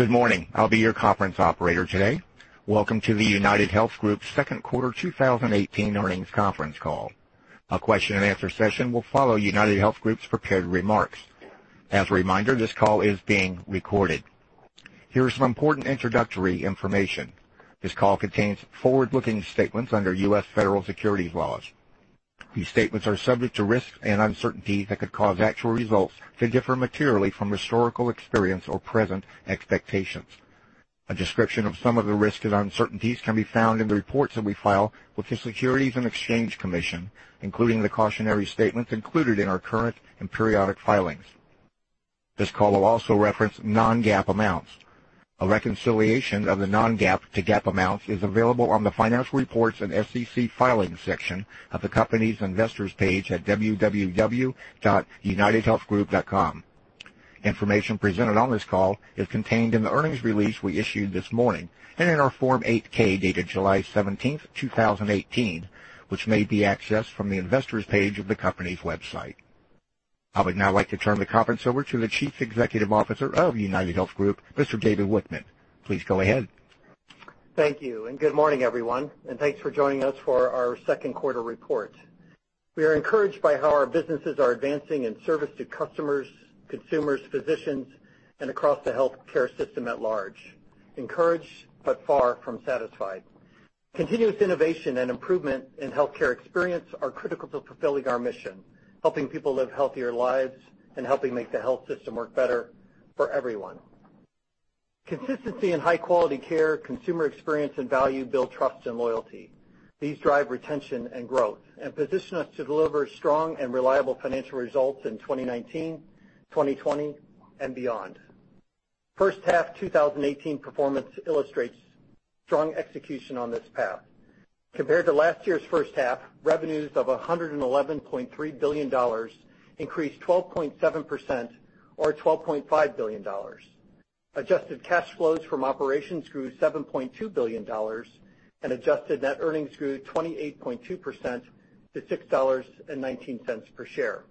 Good morning. I'll be your conference operator today. Welcome to the UnitedHealth Group second quarter 2018 earnings conference call. A question and answer session will follow UnitedHealth Group's prepared remarks. As a reminder, this call is being recorded. Here is some important introductory information. This call contains forward-looking statements under U.S. federal securities laws. These statements are subject to risks and uncertainties that could cause actual results to differ materially from historical experience or present expectations. A description of some of the risks and uncertainties can be found in the reports that we file with the Securities and Exchange Commission, including the cautionary statements included in our current and periodic filings. This call will also reference non-GAAP amounts. A reconciliation of the non-GAAP to GAAP amounts is available on the Financial Reports and SEC Filings section of the company's investors page at www.unitedhealthgroup.com. Information presented on this call is contained in the earnings release we issued this morning and in our Form 8-K, dated July 17th, 2018, which may be accessed from the investors page of the company's website. I would now like to turn the conference over to the Chief Executive Officer of UnitedHealth Group, Mr. David Wichmann. Please go ahead. Thank you, good morning, everyone, and thanks for joining us for our second quarter report. We are encouraged by how our businesses are advancing in service to customers, consumers, physicians, and across the healthcare system at large. Encouraged, but far from satisfied. Continuous innovation and improvement in healthcare experience are critical to fulfilling our mission, helping people live healthier lives and helping make the health system work better for everyone. Consistency and high-quality care, consumer experience, and value build trust and loyalty. These drive retention and growth and position us to deliver strong and reliable financial results in 2019, 2020, and beyond. First half 2018 performance illustrates strong execution on this path. Compared to last year's first half, revenues of $111.3 billion increased 12.7% or $12.5 billion. Adjusted cash flows from operations grew $7.2 billion, and adjusted net earnings grew 28.2% to $6.19 per share.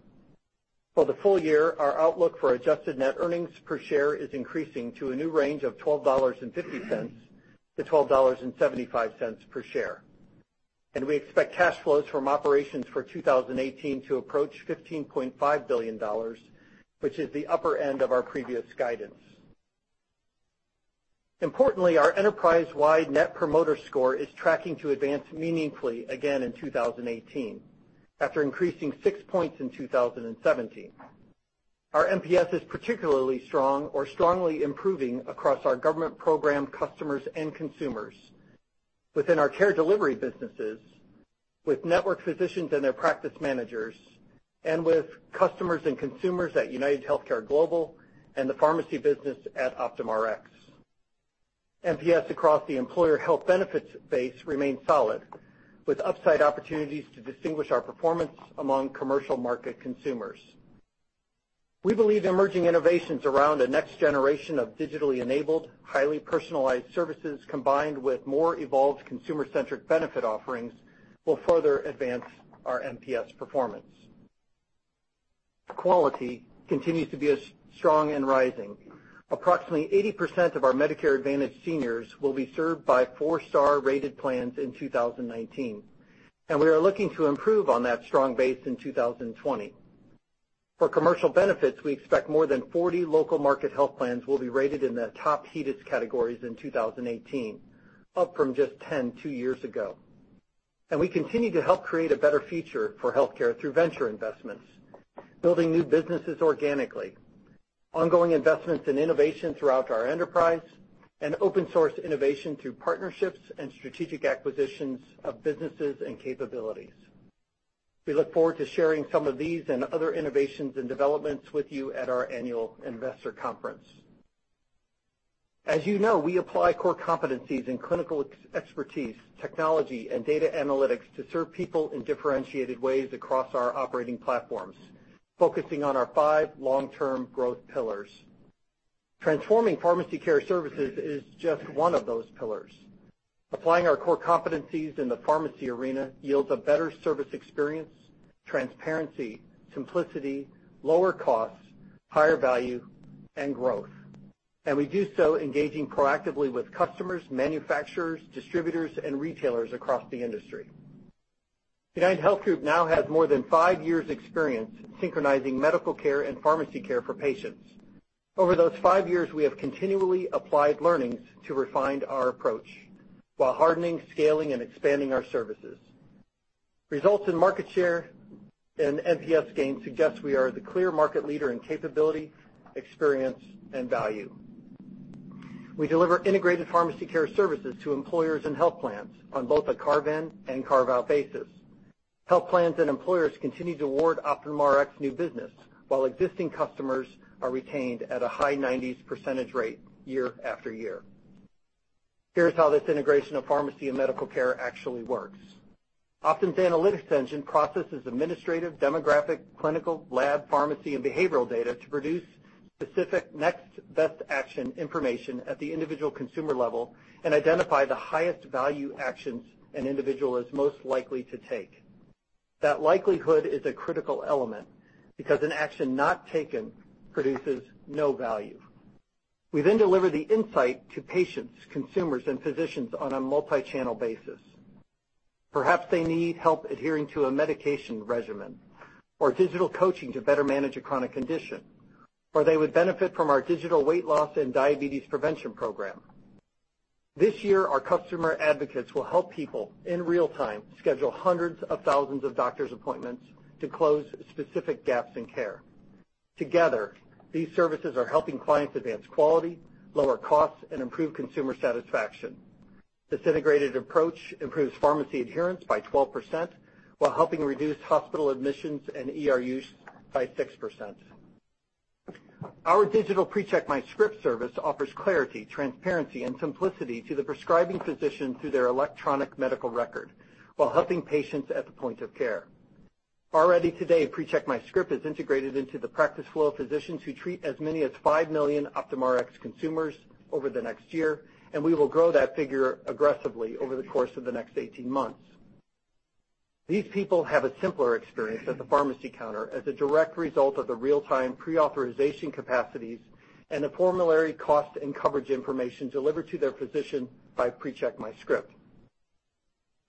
For the full year, our outlook for adjusted net earnings per share is increasing to a new range of $12.50-$12.75 per share. We expect cash flows from operations for 2018 to approach $15.5 billion, which is the upper end of our previous guidance. Importantly, our enterprise-wide Net Promoter Score is tracking to advance meaningfully again in 2018, after increasing six points in 2017. Our NPS is particularly strong or strongly improving across our government program customers and consumers within our care delivery businesses with network physicians and their practice managers and with customers and consumers at UnitedHealthcare Global and the pharmacy business at Optum Rx. NPS across the employer health benefits base remains solid, with upside opportunities to distinguish our performance among commercial market consumers. We believe emerging innovations around the next generation of digitally enabled, highly personalized services, combined with more evolved consumer-centric benefit offerings, will further advance our NPS performance. Quality continues to be strong and rising. Approximately 80% of our Medicare Advantage seniors will be served by four-star rated plans in 2019, and we are looking to improve on that strong base in 2020. For commercial benefits, we expect more than 40 local market health plans will be rated in their top HEDIS categories in 2018, up from just 10 two years ago. We continue to help create a better future for healthcare through venture investments, building new businesses organically, ongoing investments in innovation throughout our enterprise, and open-source innovation through partnerships and strategic acquisitions of businesses and capabilities. We look forward to sharing some of these and other innovations and developments with you at our annual investor conference. As you know, we apply core competencies in clinical expertise, technology, and data analytics to serve people in differentiated ways across our operating platforms, focusing on our five long-term growth pillars. Transforming pharmacy care services is just one of those pillars. Applying our core competencies in the pharmacy arena yields a better service experience, transparency, simplicity, lower costs, higher value, and growth. We do so engaging proactively with customers, manufacturers, distributors, and retailers across the industry. UnitedHealth Group now has more than five years experience synchronizing medical care and pharmacy care for patients. Over those five years, we have continually applied learnings to refine our approach while hardening, scaling, and expanding our services. Results in market share and NPS gain suggest we are the clear market leader in capability, experience, and value. We deliver integrated pharmacy care services to employers and health plans on both a carve-in and carve-out basis. Health plans and employers continue to award Optum Rx new business, while existing customers are retained at a high nineties percentage rate year after year. Here's how this integration of pharmacy and medical care actually works. Optum's analytics engine processes administrative, demographic, clinical, lab, pharmacy, and behavioral data to produce specific next best action information at the individual consumer level and identify the highest value actions an individual is most likely to take. That likelihood is a critical element because an action not taken produces no value. We then deliver the insight to patients, consumers, and physicians on a multi-channel basis. Perhaps they need help adhering to a medication regimen or digital coaching to better manage a chronic condition, or they would benefit from our digital weight loss and diabetes prevention program. This year, our customer advocates will help people in real time schedule hundreds of thousands of doctors' appointments to close specific gaps in care. Together, these services are helping clients advance quality, lower costs, and improve consumer satisfaction. This integrated approach improves pharmacy adherence by 12%, while helping reduce hospital admissions and ER use by 6%. Our digital PreCheck MyScript service offers clarity, transparency, and simplicity to the prescribing physician through their electronic medical record while helping patients at the point of care. Already today, PreCheck MyScript is integrated into the practice flow of physicians who treat as many as five million Optum Rx consumers over the next year. We will grow that figure aggressively over the course of the next 18 months. These people have a simpler experience at the pharmacy counter as a direct result of the real-time pre-authorization capacities and the formulary cost and coverage information delivered to their physician by PreCheck MyScript.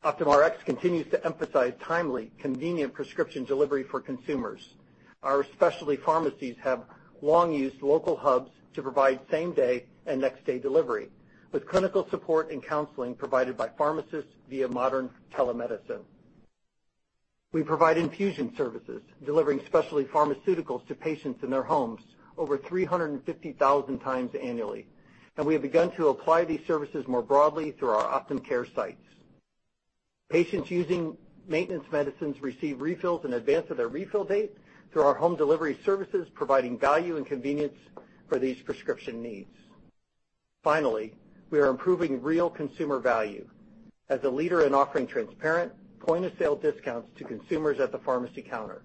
OptumRx continues to emphasize timely, convenient prescription delivery for consumers. Our specialty pharmacies have long used local hubs to provide same-day and next-day delivery, with clinical support and counseling provided by pharmacists via modern telemedicine. We provide infusion services, delivering specialty pharmaceuticals to patients in their homes over 350,000 times annually. We have begun to apply these services more broadly through our Optum Care sites. Patients using maintenance medicines receive refills in advance of their refill date through our home delivery services, providing value and convenience for these prescription needs. Finally, we are improving real consumer value as a leader in offering transparent point-of-sale discounts to consumers at the pharmacy counter.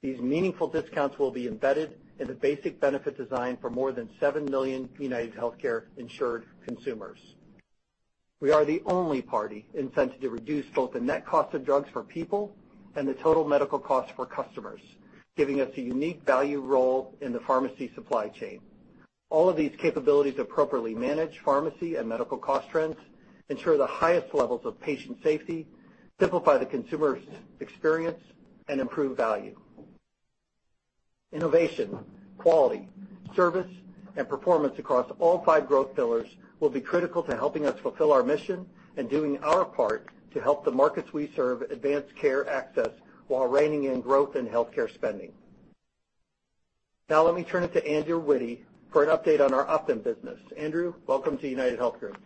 These meaningful discounts will be embedded in the basic benefit design for more than seven million UnitedHealthcare insured consumers. We are the only party incented to reduce both the net cost of drugs for people and the total medical cost for customers, giving us a unique value role in the pharmacy supply chain. All of these capabilities appropriately manage pharmacy and medical cost trends, ensure the highest levels of patient safety, simplify the consumer's experience, and improve value. Innovation, quality, service, and performance across all five growth pillars will be critical to helping us fulfill our mission and doing our part to help the markets we serve advance care access while reining in growth in healthcare spending. Now let me turn it to Andrew Witty for an update on our Optum business. Andrew, welcome to UnitedHealth Group.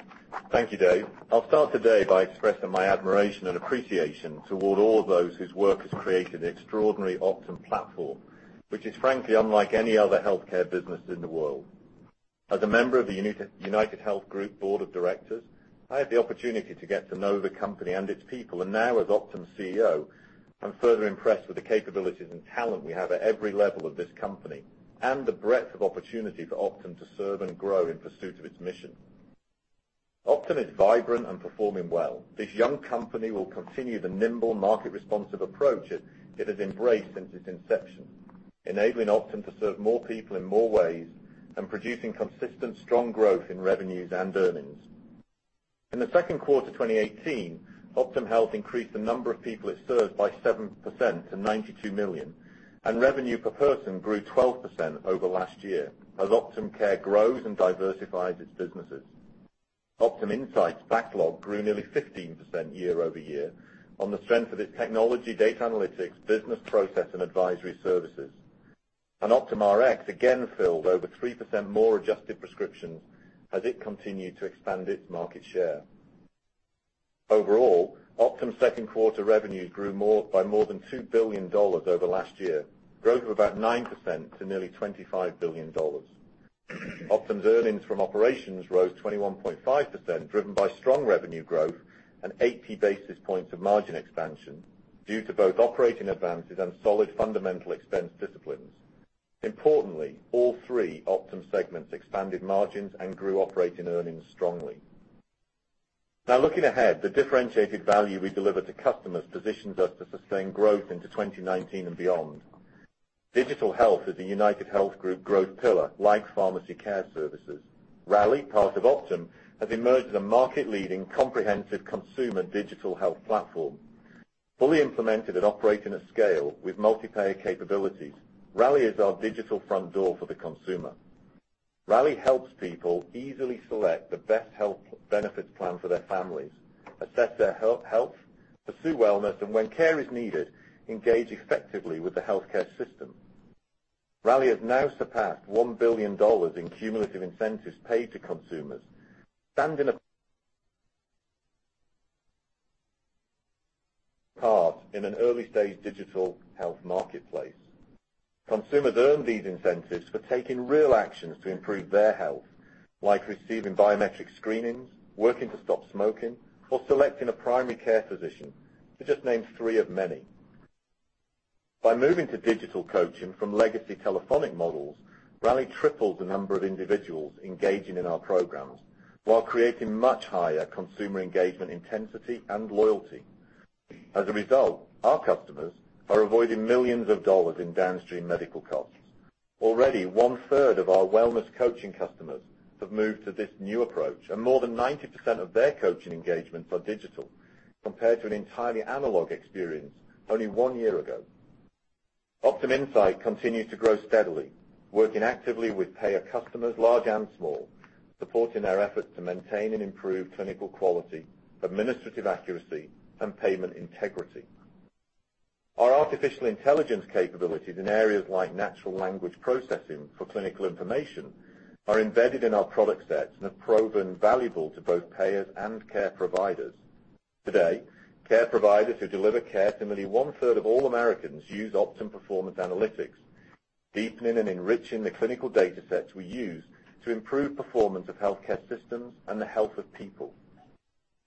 Thank you, Dave. I'll start today by expressing my admiration and appreciation toward all those whose work has created the extraordinary Optum platform, which is frankly unlike any other healthcare business in the world. As a member of the UnitedHealth Group Board of Directors, I had the opportunity to get to know the company and its people. Now as Optum's CEO, I'm further impressed with the capabilities and talent we have at every level of this company and the breadth of opportunity for Optum to serve and grow in pursuit of its mission. Optum is vibrant and performing well. This young company will continue the nimble market responsive approach it has embraced since its inception, enabling Optum to serve more people in more ways and producing consistent, strong growth in revenues and earnings. In the second quarter of 2018, Optum Health increased the number of people it serves by 7% to 92 million, and revenue per person grew 12% over last year as Optum Care grows and diversifies its businesses. Optum Insight backlog grew nearly 15% year-over-year on the strength of its technology, data analytics, business process, and advisory services. OptumRx again filled over 3% more adjusted prescriptions as it continued to expand its market share. Overall, Optum's second quarter revenues grew by more than $2 billion over last year, growth of about 9% to nearly $25 billion. Optum's earnings from operations rose 21.5%, driven by strong revenue growth and 80 basis points of margin expansion due to both operating advances and solid fundamental expense disciplines. Importantly, all three Optum segments expanded margins and grew operating earnings strongly. Looking ahead, the differentiated value we deliver to customers positions us to sustain growth into 2019 and beyond. Digital health is a UnitedHealth Group growth pillar, like pharmacy care services. Rally, part of Optum, has emerged as a market-leading comprehensive consumer digital health platform. Fully implemented and operating at scale with multi-payer capabilities, Rally is our digital front door for the consumer. Rally helps people easily select the best health benefits plan for their families, assess their health, pursue wellness, and when care is needed, engage effectively with the healthcare system. Rally has now surpassed $1 billion in cumulative incentives paid to consumers, standing apart in an early-stage digital health marketplace. Consumers earn these incentives for taking real actions to improve their health, like receiving biometric screenings, working to stop smoking, or selecting a primary care physician, to just name three of many. By moving to digital coaching from legacy telephonic models, Rally tripled the number of individuals engaging in our programs while creating much higher consumer engagement intensity and loyalty. As a result, our customers are avoiding millions of dollars in downstream medical costs. Already, one-third of our wellness coaching customers have moved to this new approach, and more than 90% of their coaching engagements are digital, compared to an entirely analog experience only one year ago. Optum Insight continues to grow steadily, working actively with payer customers, large and small, supporting their efforts to maintain and improve clinical quality, administrative accuracy, and payment integrity. Our artificial intelligence capabilities in areas like natural language processing for clinical information are embedded in our product sets and have proven valuable to both payers and care providers. Today, care providers who deliver care to nearly one-third of all Americans use Optum performance analytics, deepening and enriching the clinical data sets we use to improve performance of healthcare systems and the health of people.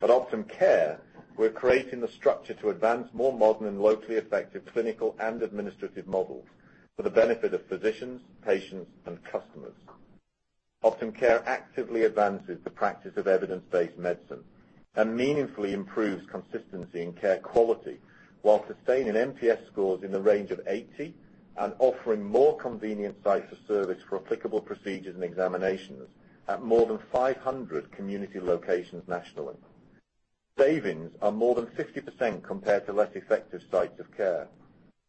At Optum Care, we're creating the structure to advance more modern and locally effective clinical and administrative models for the benefit of physicians, patients, and customers. Optum Care actively advances the practice of evidence-based medicine and meaningfully improves consistency in care quality, while sustaining NPS scores in the range of 80 and offering more convenient sites of service for applicable procedures and examinations at more than 500 community locations nationally. Savings are more than 50% compared to less effective sites of care.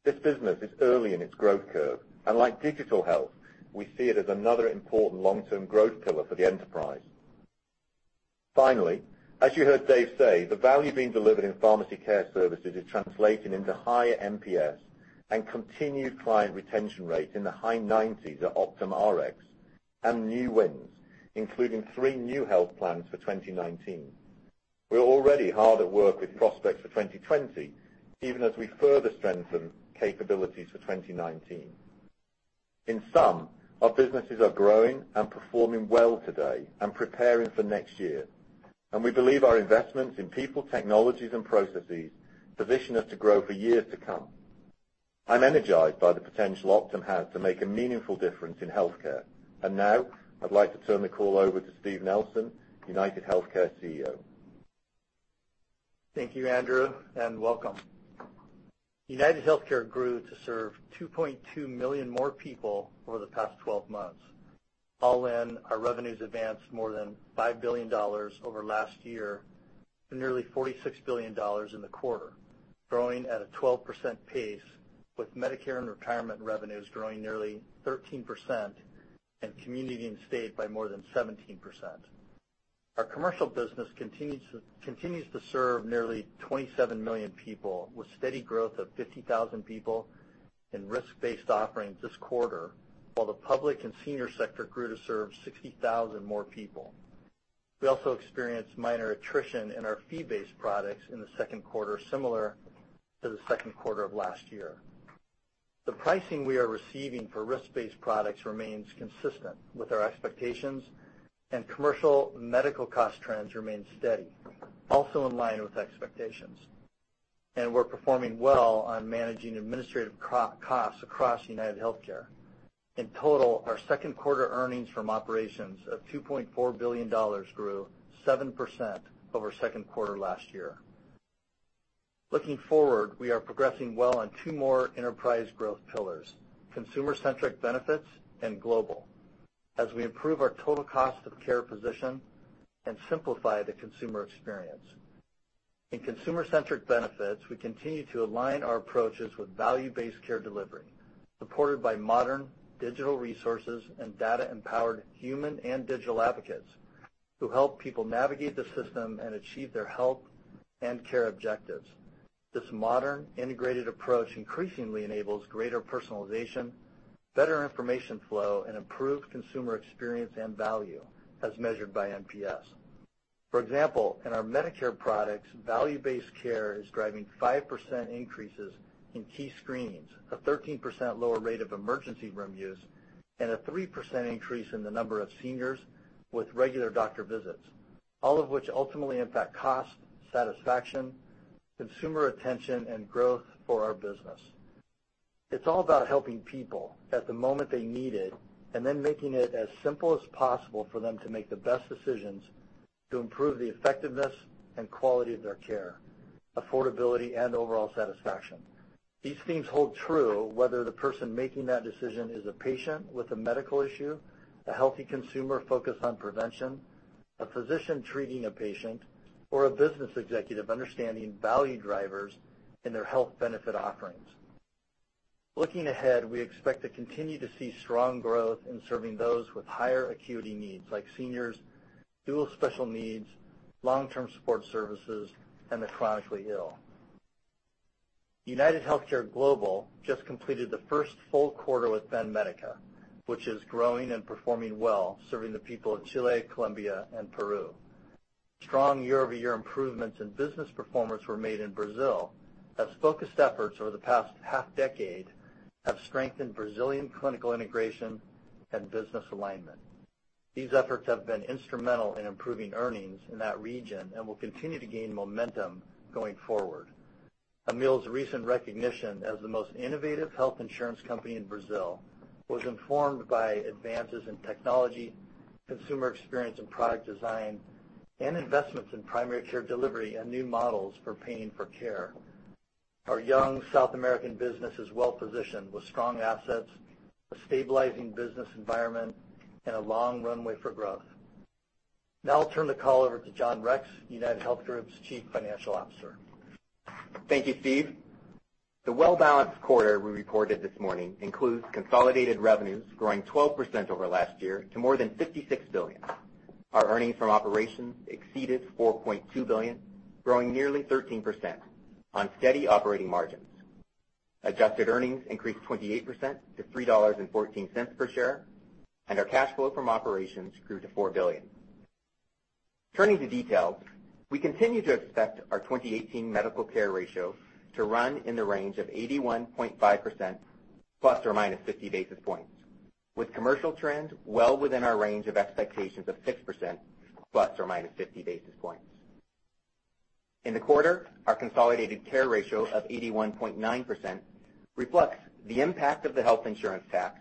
This business is early in its growth curve, and like digital health, we see it as another important long-term growth pillar for the enterprise. As you heard Dave say, the value being delivered in pharmacy care services is translating into higher NPS and continued client retention rates in the high 90s at Optum Rx and new wins, including three new health plans for 2019. We are already hard at work with prospects for 2020, even as we further strengthen capabilities for 2019. In sum, our businesses are growing and performing well today and preparing for next year. We believe our investments in people, technologies, and processes position us to grow for years to come. I'm energized by the potential Optum has to make a meaningful difference in healthcare. Now I'd like to turn the call over to Steve Nelson, UnitedHealthcare CEO. Thank you, Andrew, and welcome. UnitedHealthcare grew to serve 2.2 million more people over the past 12 months. All in, our revenues advanced more than $5 billion over last year to nearly $46 billion in the quarter, growing at a 12% pace, with Medicare and Retirement revenues growing nearly 13% and Community & State by more than 17%. Our commercial business continues to serve nearly 27 million people, with steady growth of 50,000 people in risk-based offerings this quarter, while the public and senior sector grew to serve 60,000 more people. We also experienced minor attrition in our fee-based products in the second quarter, similar to the second quarter of last year. The pricing we are receiving for risk-based products remains consistent with our expectations, and commercial medical cost trends remain steady, also in line with expectations. We're performing well on managing administrative costs across UnitedHealthcare. In total, our second quarter earnings from operations of $2.4 billion grew 7% over second quarter last year. Looking forward, we are progressing well on two more enterprise growth pillars, consumer-centric benefits and global, as we improve our total cost of care position and simplify the consumer experience. In consumer-centric benefits, we continue to align our approaches with value-based care delivery, supported by modern digital resources and data-empowered human and digital advocates who help people navigate the system and achieve their health and care objectives. This modern integrated approach increasingly enables greater personalization, better information flow, and improved consumer experience and value as measured by NPS. For example, in our Medicare products, value-based care is driving 5% increases in key screens, a 13% lower rate of emergency room use, and a 3% increase in the number of seniors with regular doctor visits. All of which ultimately impact cost, satisfaction, consumer attention, and growth for our business. It's all about helping people at the moment they need it and then making it as simple as possible for them to make the best decisions to improve the effectiveness and quality of their care, affordability, and overall satisfaction. These themes hold true whether the person making that decision is a patient with a medical issue, a healthy consumer focused on prevention, a physician treating a patient, or a business executive understanding value drivers in their health benefit offerings. Looking ahead, we expect to continue to see strong growth in serving those with higher acuity needs, like seniors, dual special needs, long-term support services, and the chronically ill. UnitedHealthcare Global just completed the first full quarter with Banmédica, which is growing and performing well, serving the people of Chile, Colombia, and Peru. Strong year-over-year improvements in business performance were made in Brazil, as focused efforts over the past half-decade have strengthened Brazilian clinical integration and business alignment. These efforts have been instrumental in improving earnings in that region and will continue to gain momentum going forward. Amil's recent recognition as the most innovative health insurance company in Brazil was informed by advances in technology, consumer experience and product design, and investments in primary care delivery and new models for paying for care. Our young South American business is well-positioned with strong assets, a stabilizing business environment, and a long runway for growth. I'll turn the call over to John Rex, UnitedHealth Group's Chief Financial Officer. Thank you, Steve. The well-balanced quarter we reported this morning includes consolidated revenues growing 12% over last year to more than $56 billion. Our earnings from operations exceeded $4.2 billion, growing nearly 13% on steady operating margins. Adjusted earnings increased 28% to $3.14 per share, and our cash flow from operations grew to $4 billion. Turning to details, we continue to expect our 2018 medical care ratio to run in the range of 81.5% ± 50 basis points, with commercial trends well within our range of expectations of 6% ± 50 basis points. In the quarter, our consolidated care ratio of 81.9% reflects the impact of the health insurance tax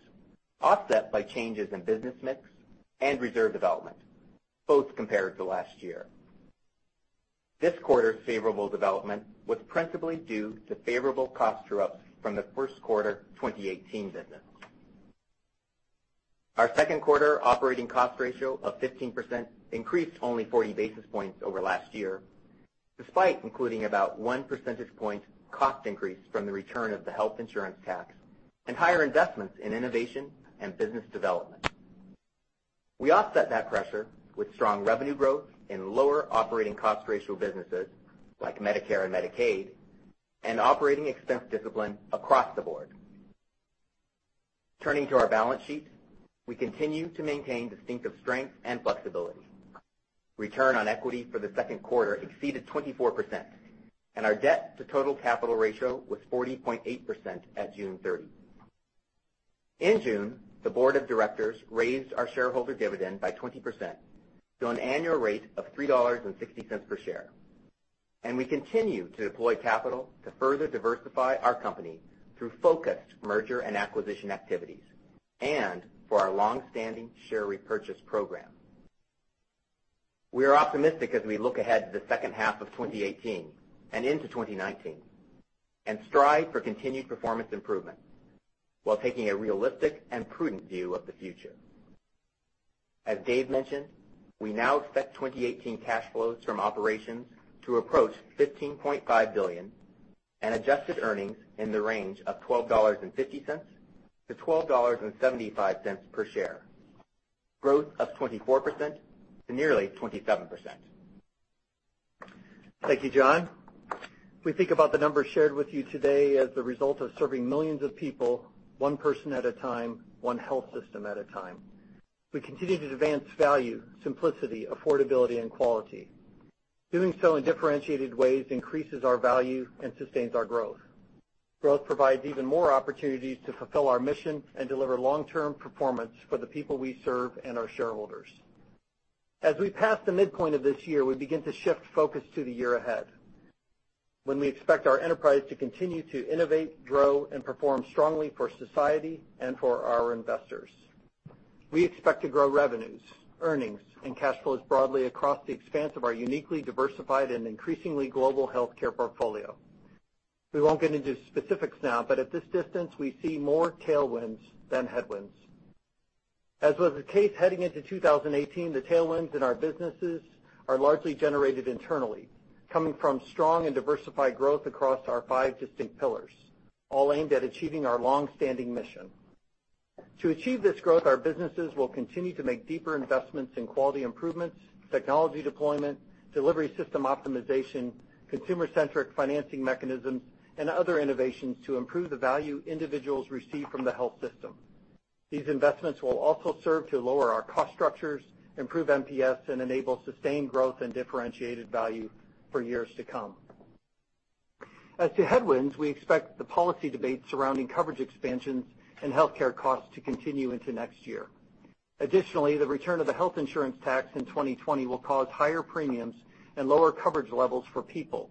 offset by changes in business mix and reserve development, both compared to last year. This quarter's favorable development was principally due to favorable cost true-ups from the first quarter 2018 business. Our second quarter operating cost ratio of 15% increased only 40 basis points over last year, despite including about one percentage point cost increase from the return of the health insurance tax and higher investments in innovation and business development. We offset that pressure with strong revenue growth and lower operating cost ratio businesses, like Medicare and Medicaid, and operating expense discipline across the board. Turning to our balance sheet, we continue to maintain distinctive strength and flexibility. Return on equity for the second quarter exceeded 24%, and our debt-to-total capital ratio was 40.8% at June 30. In June, the board of directors raised our shareholder dividend by 20% to an annual rate of $3.60 per share. We continue to deploy capital to further diversify our company through focused merger and acquisition activities and for our longstanding share repurchase program. We are optimistic as we look ahead to the second half of 2018 and into 2019 and strive for continued performance improvement while taking a realistic and prudent view of the future. As Dave mentioned, we now expect 2018 cash flows from operations to approach $15.5 billion and adjusted earnings in the range of $12.50 to $12.75 per share, growth of 24% to nearly 27%. Thank you, John. We think about the numbers shared with you today as the result of serving millions of people, one person at a time, one health system at a time. We continue to advance value, simplicity, affordability, and quality. Doing so in differentiated ways increases our value and sustains our growth. Growth provides even more opportunities to fulfill our mission and deliver long-term performance for the people we serve and our shareholders. As we pass the midpoint of this year, we begin to shift focus to the year ahead, when we expect our enterprise to continue to innovate, grow, and perform strongly for society and for our investors. We expect to grow revenues, earnings, and cash flows broadly across the expanse of our uniquely diversified and increasingly global healthcare portfolio. We won't get into specifics now, but at this distance, we see more tailwinds than headwinds. As was the case heading into 2018, the tailwinds in our businesses are largely generated internally, coming from strong and diversified growth across our five distinct pillars, all aimed at achieving our longstanding mission. To achieve this growth, our businesses will continue to make deeper investments in quality improvements, technology deployment, delivery system optimization, consumer-centric financing mechanisms, and other innovations to improve the value individuals receive from the health system. These investments will also serve to lower our cost structures, improve NPS, and enable sustained growth and differentiated value for years to come. As to headwinds, we expect the policy debate surrounding coverage expansions and healthcare costs to continue into next year. Additionally, the return of the health insurance tax in 2020 will cause higher premiums and lower coverage levels for people.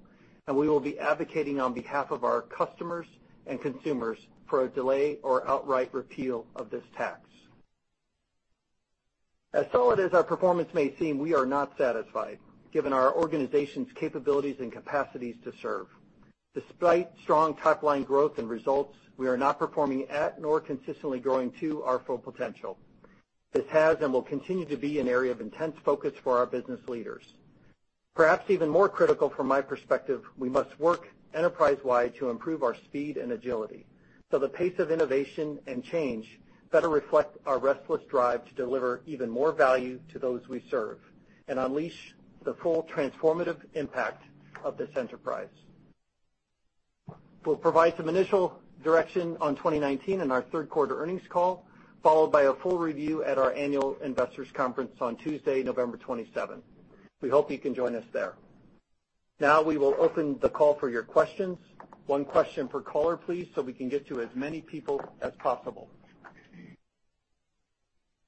We will be advocating on behalf of our customers and consumers for a delay or outright repeal of this tax. As solid as our performance may seem, we are not satisfied, given our organization's capabilities and capacities to serve. Despite strong top-line growth and results, we are not performing at, nor consistently growing to our full potential. This has and will continue to be an area of intense focus for our business leaders. Perhaps even more critical from my perspective, we must work enterprise-wide to improve our speed and agility so the pace of innovation and change better reflect our restless drive to deliver even more value to those we serve and unleash the full transformative impact of this enterprise. We'll provide some initial direction on 2019 in our third quarter earnings call, followed by a full review at our annual investors conference on Tuesday, November 27th. We hope you can join us there. Now we will open the call for your questions. One question per caller, please. We can get to as many people as possible.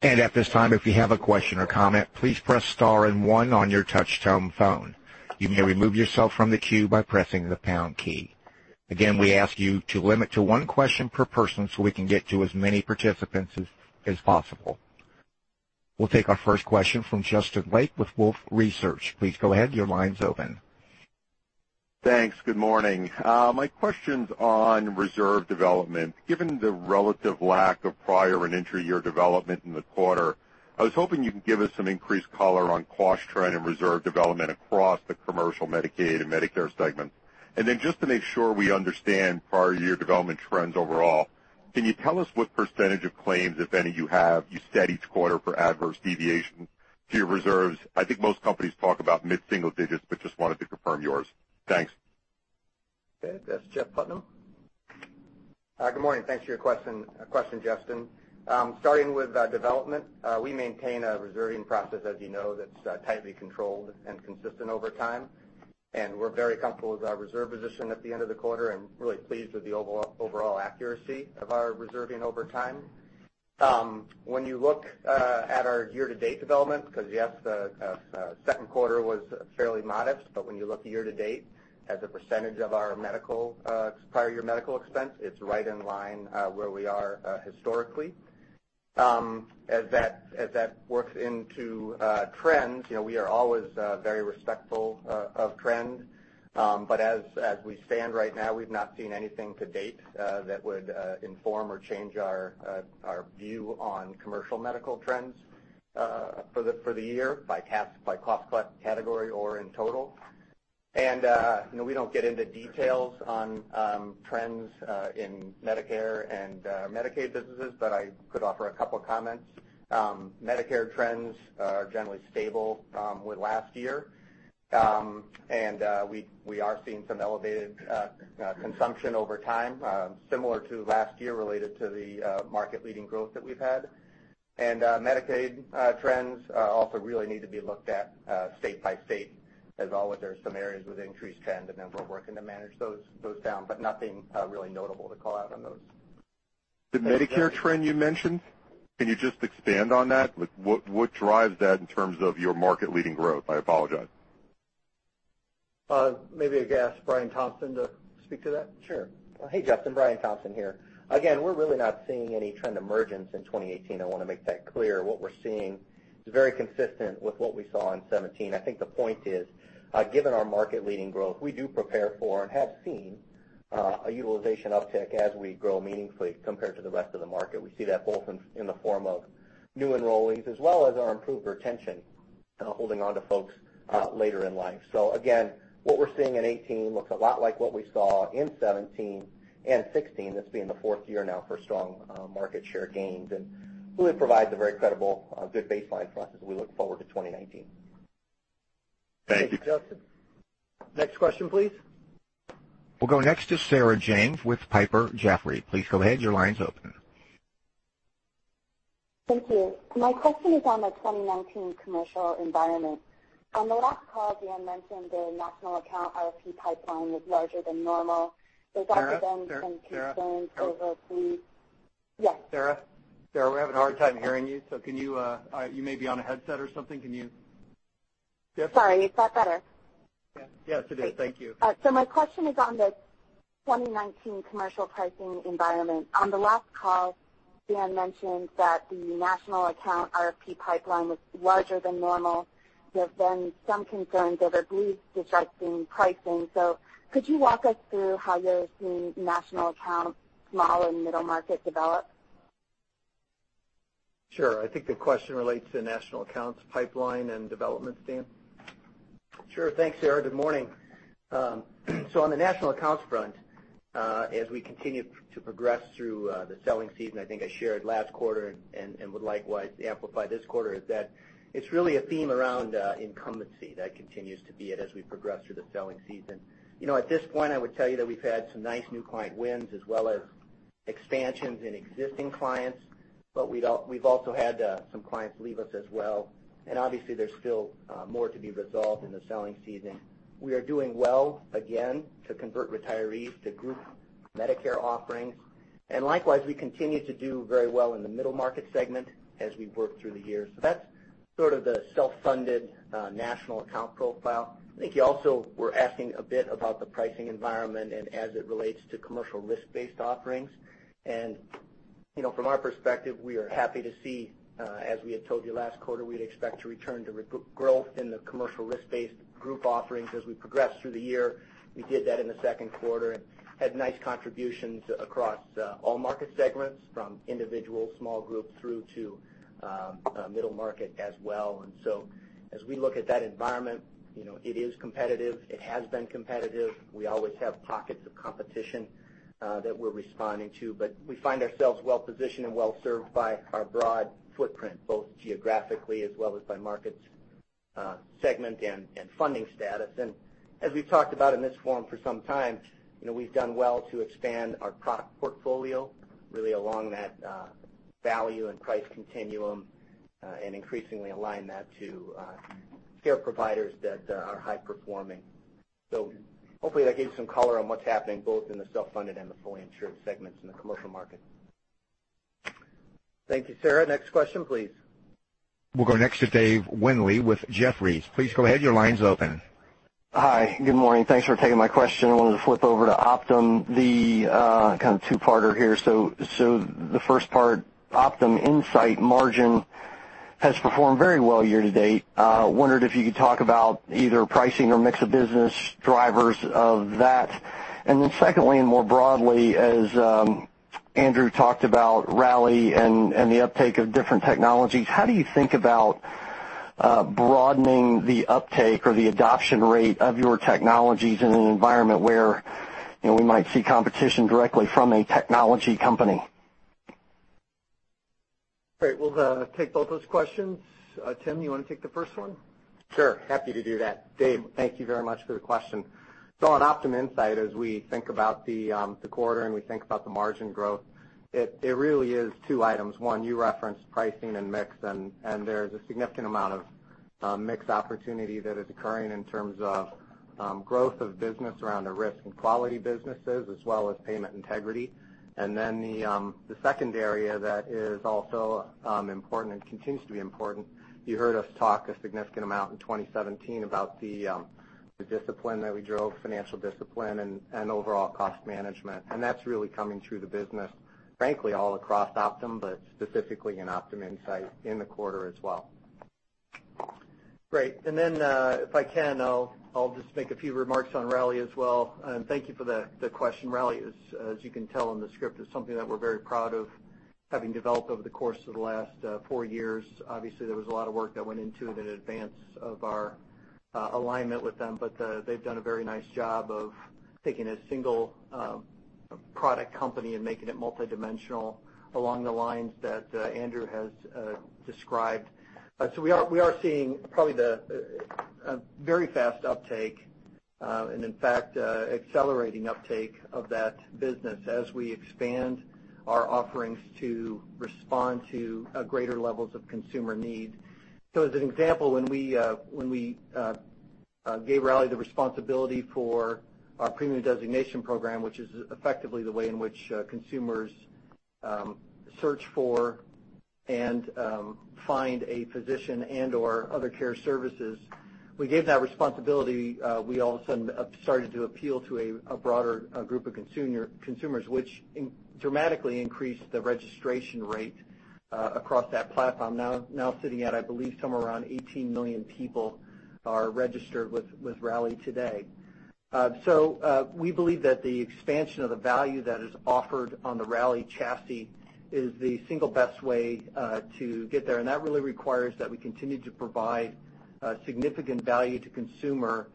At this time, if you have a question or comment, please press star 1 on your touchtone phone. You may remove yourself from the queue by pressing the pound key. Again, we ask you to limit to one question per person so we can get to as many participants as possible. We will take our first question from Justin Lake with Wolfe Research. Please go ahead. Your line's open. Thanks. Good morning. My question's on reserve development. Given the relative lack of prior and intra-year development in the quarter, I was hoping you can give us some increased color on cost trend and reserve development across the commercial Medicaid and Medicare segments. Just to make sure we understand prior year development trends overall, can you tell us what % of claims, if any, you have you set each quarter for adverse deviation to your reserves? I think most companies talk about mid-single digits, but just wanted to confirm yours. Thanks. Okay. That's Jeffery Putnam. Good morning. Thanks for your question, Justin. Starting with development, we maintain a reserving process as you know that's tightly controlled and consistent over time. We're very comfortable with our reserve position at the end of the quarter and really pleased with the overall accuracy of our reserving over time. When you look at our year-to-date development, because yes, the second quarter was fairly modest, when you look year to date as a % of our prior year medical expense, it's right in line where we are historically. As that works into trends, we are always very respectful of trend. As we stand right now, we've not seen anything to date that would inform or change our view on commercial medical trends for the year by cost category or in total. We don't get into details on trends in Medicare and Medicaid businesses, I could offer a couple comments. Medicare trends are generally stable with last year. We are seeing some elevated consumption over time, similar to last year related to the market leading growth that we've had. Medicaid trends also really need to be looked at state by state as well, where there's some areas with increased trend, then we're working to manage those down, nothing really notable to call out on those. The Medicare trend you mentioned, can you just expand on that? What drives that in terms of your market leading growth? I apologize. Maybe I can ask Brian Thompson to speak to that. Sure. Hey, Justin. Brian Thompson here. We're really not seeing any trend emergence in 2018. I want to make that clear. What we're seeing is very consistent with what we saw in 2017. I think the point is, given our market leading growth, we do prepare for and have seen a utilization uptick as we grow meaningfully compared to the rest of the market. We see that both in the form of new enrollees as well as our improved retention, holding onto folks later in life. What we're seeing in 2018 looks a lot like what we saw in 2017 and 2016. This being the fourth year now for strong market share gains, really provides a very credible, good baseline for us as we look forward to 2019. Thank you. Thanks, Justin. Next question, please. We'll go next to Sarah James with Piper Jaffray. Please go ahead. Your line's open. Thank you. My question is on the 2019 commercial environment. On the last call, Dan mentioned the national account RFP pipeline was larger than normal. There's also been some concerns over the- Sarah? We're having a hard time hearing you. You may be on a headset or something. Can you Yes? Sorry. Is that better? Yes, it is. Thank you. My question is on the 2019 commercial pricing environment. On the last call, Dan mentioned that the national account RFP pipeline was larger than normal. There's been some concerns over groups digesting pricing. Could you walk us through how you're seeing national accounts, small and middle market develop? Sure. I think the question relates to national accounts pipeline and development, Dan? Sure. Thanks, Sarah. Good morning. On the national accounts front, as we continue to progress through the selling season, I think I shared last quarter and would likewise amplify this quarter, is that it's really a theme around incumbency. That continues to be it as we progress through the selling season. At this point, I would tell you that we've had some nice new client wins as well as expansions in existing clients, but we've also had some clients leave us as well. Obviously, there's still more to be resolved in the selling season. We are doing well, again, to convert retirees to group Medicare offerings. Likewise, we continue to do very well in the middle market segment as we work through the year. That's sort of the self-funded national account profile. I think you also were asking a bit about the pricing environment and as it relates to commercial risk-based offerings. From our perspective, we are happy to see, as we had told you last quarter, we'd expect to return to growth in the commercial risk-based group offerings as we progress through the year. We did that in the second quarter and had nice contributions across all market segments, from individual small group through to middle market as well. As we look at that environment, it is competitive. It has been competitive. We always have pockets of competition that we're responding to, but we find ourselves well positioned and well served by our broad footprint, both geographically as well as by market segment and funding status. As we've talked about in this forum for some time, we've done well to expand our product portfolio really along that value and price continuum Increasingly align that to care providers that are high performing. Hopefully that gave some color on what's happening both in the self-funded and the fully insured segments in the commercial market. Thank you, sir. Next question, please. We'll go next to Dave Windley with Jefferies. Please go ahead. Your line's open. Hi. Good morning. Thanks for taking my question. I wanted to flip over to Optum, the kind of two-parter here. The first part, Optum Insight margin has performed very well year to date. Wondered if you could talk about either pricing or mix of business drivers of that. Secondly, and more broadly, as Andrew talked about Rally and the uptake of different technologies, how do you think about broadening the uptake or the adoption rate of your technologies in an environment where we might see competition directly from a technology company? Great. We'll take both those questions. Daniel, you want to take the first one? Sure. Happy to do that. Dave, thank you very much for the question. On Optum Insight, as we think about the quarter and we think about the margin growth, it really is 2 items. One, you referenced pricing and mix, and there's a significant amount of mix opportunity that is occurring in terms of growth of business around the risk and quality businesses, as well as payment integrity. The second area that is also important and continues to be important, you heard us talk a significant amount in 2017 about the discipline that we drove, financial discipline, and overall cost management. That's really coming through the business, frankly, all across Optum, but specifically in Optum Insight in the quarter as well. Great. Then, if I can, I'll just make a few remarks on Rally as well. Thank you for the question. Rally, as you can tell in the script, is something that we're very proud of having developed over the course of the last four years. Obviously, there was a lot of work that went into it in advance of our alignment with them. They've done a very nice job of taking a single product company and making it multidimensional along the lines that Andrew has described. We are seeing probably the very fast uptake, and in fact, accelerating uptake of that business as we expand our offerings to respond to greater levels of consumer need. As an example, when we gave Rally the responsibility for our premium designation program, which is effectively the way in which consumers search for and find a physician and/or other care services, we gave that responsibility. We all of a sudden started to appeal to a broader group of consumers, which dramatically increased the registration rate across that platform. Now sitting at, I believe, somewhere around 18 million people are registered with Rally today. We believe that the expansion of the value that is offered on the Rally chassis is the single best way to get there. That really requires that we continue to provide significant value to consumers,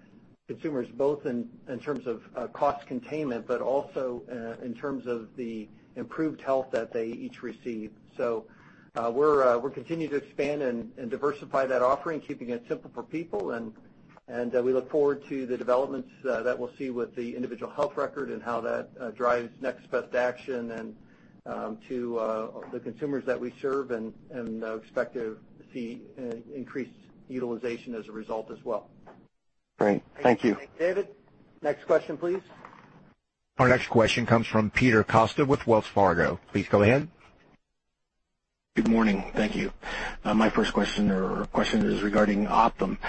both in terms of cost containment, but also in terms of the improved health that they each receive. We're continuing to expand and diversify that offering, keeping it simple for people, and we look forward to the developments that we'll see with the individual health record and how that drives next best action and to the consumers that we serve and expect to see increased utilization as a result as well. Great. Thank you. David. Next question, please. Our next question comes from Peter Costa with Wells Fargo. Please go ahead. Good morning. Thank you. My first question or question is regarding Optum.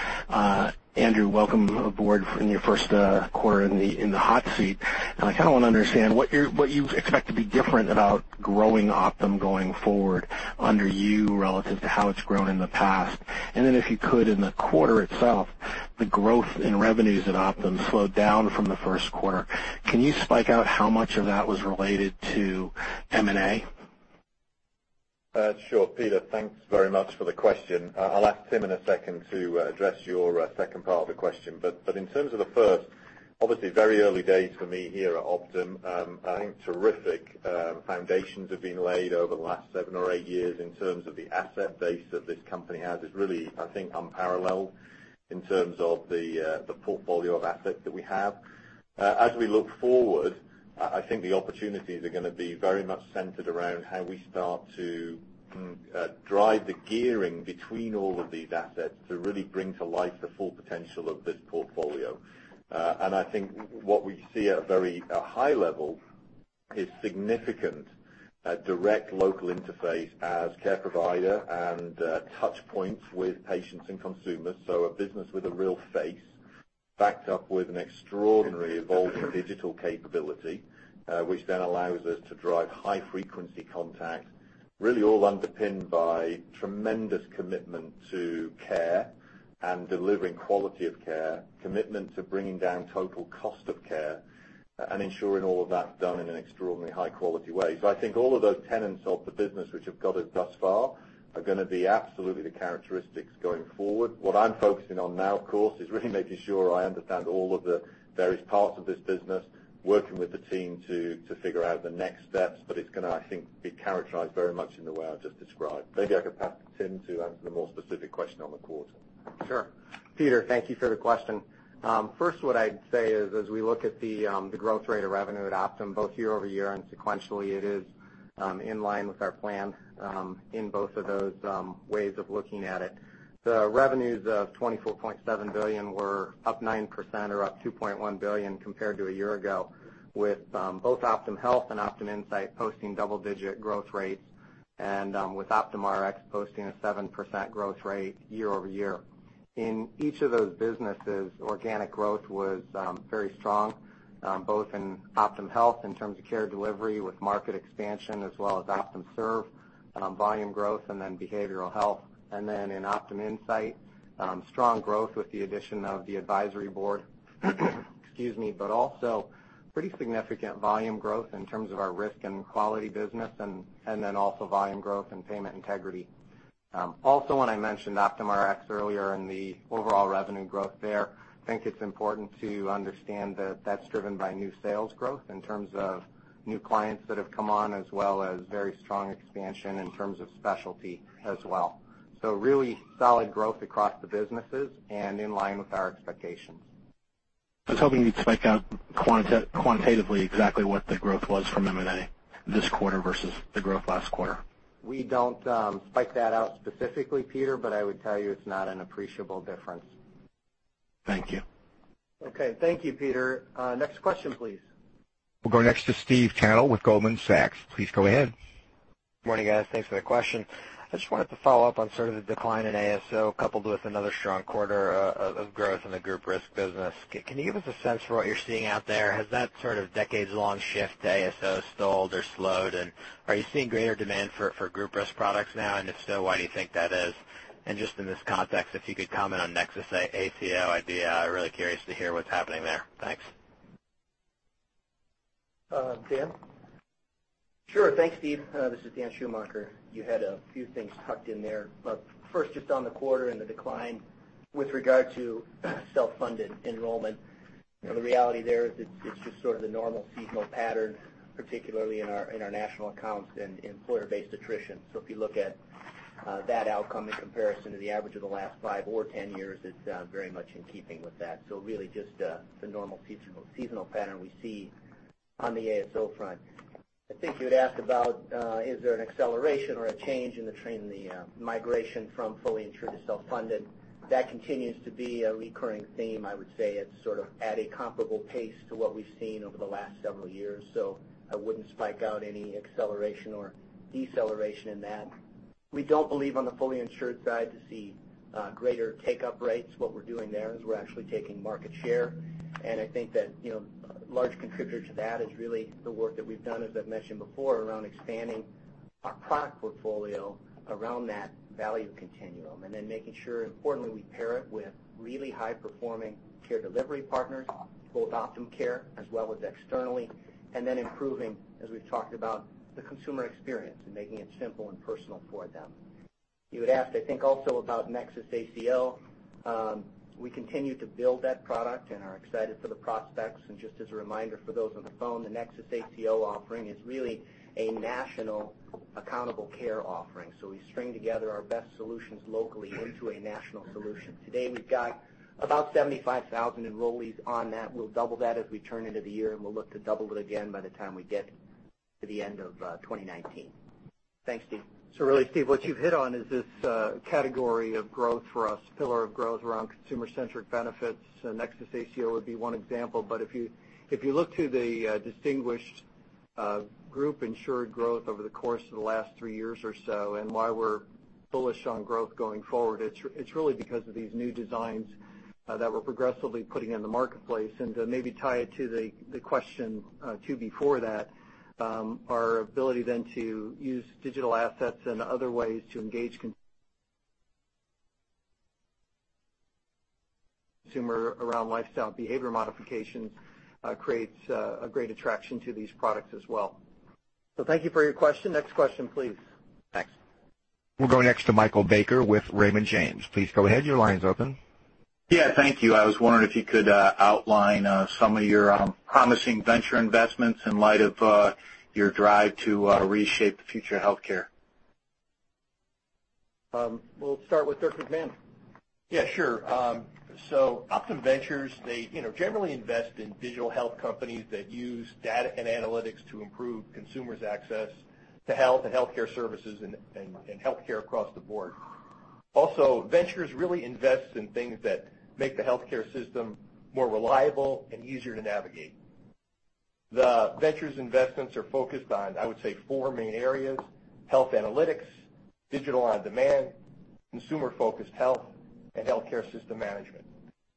Andrew, welcome aboard in your first quarter in the hot seat. I kind of want to understand what you expect to be different about growing Optum going forward under you relative to how it's grown in the past. Then if you could, in the quarter itself, the growth in revenues at Optum slowed down from the first quarter. Can you spike out how much of that was related to M&A? Sure. Peter, thanks very much for the question. I'll ask Tim in a second to address your second part of the question. In terms of the first, obviously very early days for me here at Optum. I think terrific foundations have been laid over the last seven or eight years in terms of the asset base that this company has is really, I think, unparalleled in terms of the portfolio of assets that we have. As we look forward, I think the opportunities are going to be very much centered around how we start to drive the gearing between all of these assets to really bring to life the full potential of this portfolio. I think what we see at a very high level is significant direct local interface as care provider and touch points with patients and consumers. A business with a real face backed up with an extraordinary evolving digital capability, which then allows us to drive high frequency contact, really all underpinned by tremendous commitment to care and delivering quality of care, commitment to bringing down total cost of care and ensuring all of that's done in an extraordinarily high quality way. I think all of those tenets of the business which have got us thus far are going to be absolutely the characteristics going forward. What I'm focusing on now, of course, is really making sure I understand all of the various parts of this business, working with the team to figure out the next steps. It's going to, I think, be characterized very much in the way I've just described. Maybe I could pass to Tim to answer the more specific question on the quarter. Sure. Peter, thank you for the question. First, what I'd say is, as we look at the growth rate of revenue at Optum, both year-over-year and sequentially, it is in line with our plan, in both of those ways of looking at it. The revenues of $24.7 billion were up 9% or up $2.1 billion compared to a year ago, with both Optum Health and Optum Insight posting double-digit growth rates, and with Optum Rx posting a 7% growth rate year-over-year. In each of those businesses, organic growth was very strong, both in Optum Health in terms of care delivery with market expansion, as well as Optum Serve on volume growth and then behavioral health. In Optum Insight, strong growth with the addition of the Advisory Board. Excuse me. Also pretty significant volume growth in terms of our risk and quality business and also volume growth and payment integrity. Also when I mentioned Optum Rx earlier and the overall revenue growth there, I think it's important to understand that's driven by new sales growth in terms of new clients that have come on, as well as very strong expansion in terms of specialty as well. Really solid growth across the businesses and in line with our expectations. I was hoping you'd spike out quantitatively exactly what the growth was from M&A this quarter versus the growth last quarter. We don't spike that out specifically, Peter, I would tell you it's not an appreciable difference. Thank you. Okay, thank you, Peter. Next question, please. We'll go next to Stephen Tanal with Goldman Sachs. Please go ahead. Morning, guys. Thanks for the question. I just wanted to follow up on sort of the decline in ASO coupled with another strong quarter of growth in the group risk business. Can you give us a sense for what you're seeing out there? Has that sort of decades-long shift to ASO stalled or slowed? Are you seeing greater demand for group risk products now? If so, why do you think that is? Just in this context, if you could comment on NexusACO, I'd be really curious to hear what's happening there. Thanks. Dan? Sure. Thanks, Steve. This is Daniel Schumacher. You had a few things tucked in there. First, just on the quarter and the decline with regard to self-funded enrollment, the reality there is it's just sort of the normal seasonal pattern, particularly in our national accounts and employer-based attrition. If you look at that outcome in comparison to the average of the last five or 10 years, it's very much in keeping with that. Really just the normal seasonal pattern we see on the ASO front. I think you had asked about, is there an acceleration or a change in the trend in the migration from fully insured to self-funded. That continues to be a recurring theme. I would say it's sort of at a comparable pace to what we've seen over the last several years, I wouldn't spike out any acceleration or deceleration in that. We don't believe on the fully insured side to see greater take-up rates. What we're doing there is we're actually taking market share, and I think that a large contributor to that is really the work that we've done, as I've mentioned before, around expanding our product portfolio around that value continuum, and then making sure, importantly, we pair it with really high-performing care delivery partners, both Optum Care as well as externally, and then improving, as we've talked about, the consumer experience and making it simple and personal for them. You had asked, I think, also about NexusACO. We continue to build that product and are excited for the prospects. Just as a reminder for those on the phone, the NexusACO offering is really a national accountable care offering. We string together our best solutions locally into a national solution. Today, we've got about 75,000 enrollees on that. We'll double that as we turn into the year, and we'll look to double it again by the time we get to the end of 2019. Thanks, Steve. Really, Steve, what you've hit on is this category of growth for us, pillar of growth around consumer-centric benefits. NexusACO would be one example, if you look to the distinguished group-insured growth over the course of the last three years or so and why we're bullish on growth going forward, it's really because of these new designs that we're progressively putting in the marketplace. To maybe tie it to the question too before that, our ability then to use digital assets and other ways to engage consumers around lifestyle behavior modifications creates a great attraction to these products as well. Thank you for your question. Next question, please. Thanks. We'll go next to Michael Baker with Raymond James. Please go ahead. Your line's open. Yeah, thank you. I was wondering if you could outline some of your promising venture investments in light of your drive to reshape the future of healthcare. We'll start with. [inaudible] Yeah, sure. Optum Ventures, they generally invest in digital health companies that use data and analytics to improve consumers' access to health and healthcare services and healthcare across the board. Also, Ventures really invests in things that make the healthcare system more reliable and easier to navigate. The Ventures investments are focused on, I would say, four main areas: health analytics, digital on-demand, consumer-focused health, and healthcare system management.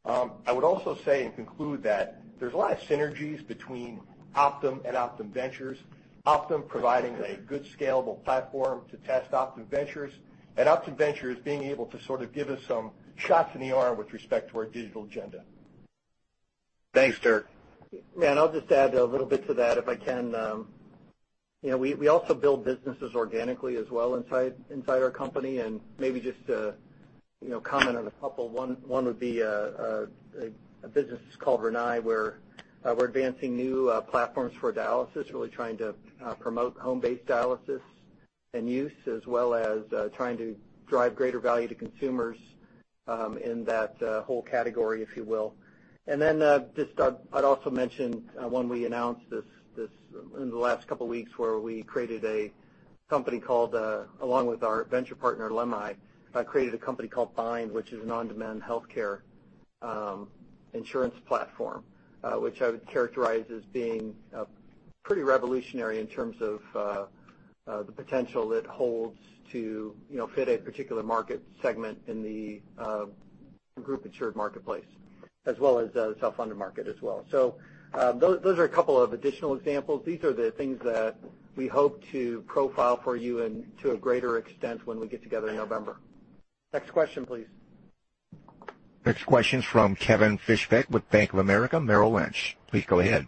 I would also say and conclude that there's a lot of synergies between Optum and Optum Ventures. Optum providing a good scalable platform to test Optum Ventures, and Optum Ventures being able to sort of give us some shots in the arm with respect to our digital agenda. Thanks. [inaudible] Man, I'll just add a little bit to that if I can. We also build businesses organically as well inside our company, maybe just to comment on a couple. One would be a business called, [inaudible] where we're advancing new platforms for dialysis, really trying to promote home-based dialysis and use, as well as trying to drive greater value to consumers in that whole category, if you will. Just I'd also mention, when we announced this in the last couple of weeks, where we created a company called, along with our venture partner, Lemhi, created a company called Bind, which is an on-demand healthcare insurance platform, which I would characterize as being pretty revolutionary in terms of the potential it holds to fit a particular market segment in the group-insured marketplace, as well as the self-funded market as well. Those are a couple of additional examples. These are the things that we hope to profile for you and to a greater extent when we get together in November. Next question, please. Next question is from Kevin Fischbeck with Bank of America Merrill Lynch. Please go ahead.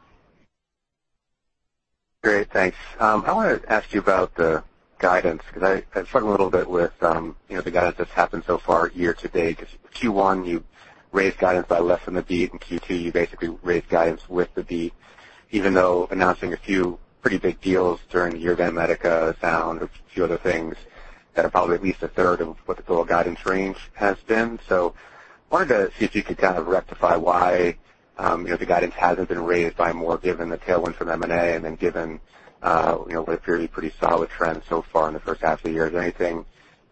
Great. Thanks. I want to ask you about the guidance, because I've struggled a little bit with the guidance that's happened so far year-to-date. Q1, you raised guidance by less than the beat, and Q2, you basically raised guidance with the beat, even though announcing a few pretty big deals during Banmédica, Sound, a few other things that are probably at least a third of what the total guidance range has been. Wanted to see if you could kind of rectify why the guidance hasn't been raised by more, given the tailwind from M&A and then given what appears a pretty solid trend so far in the first half of the year. Is there anything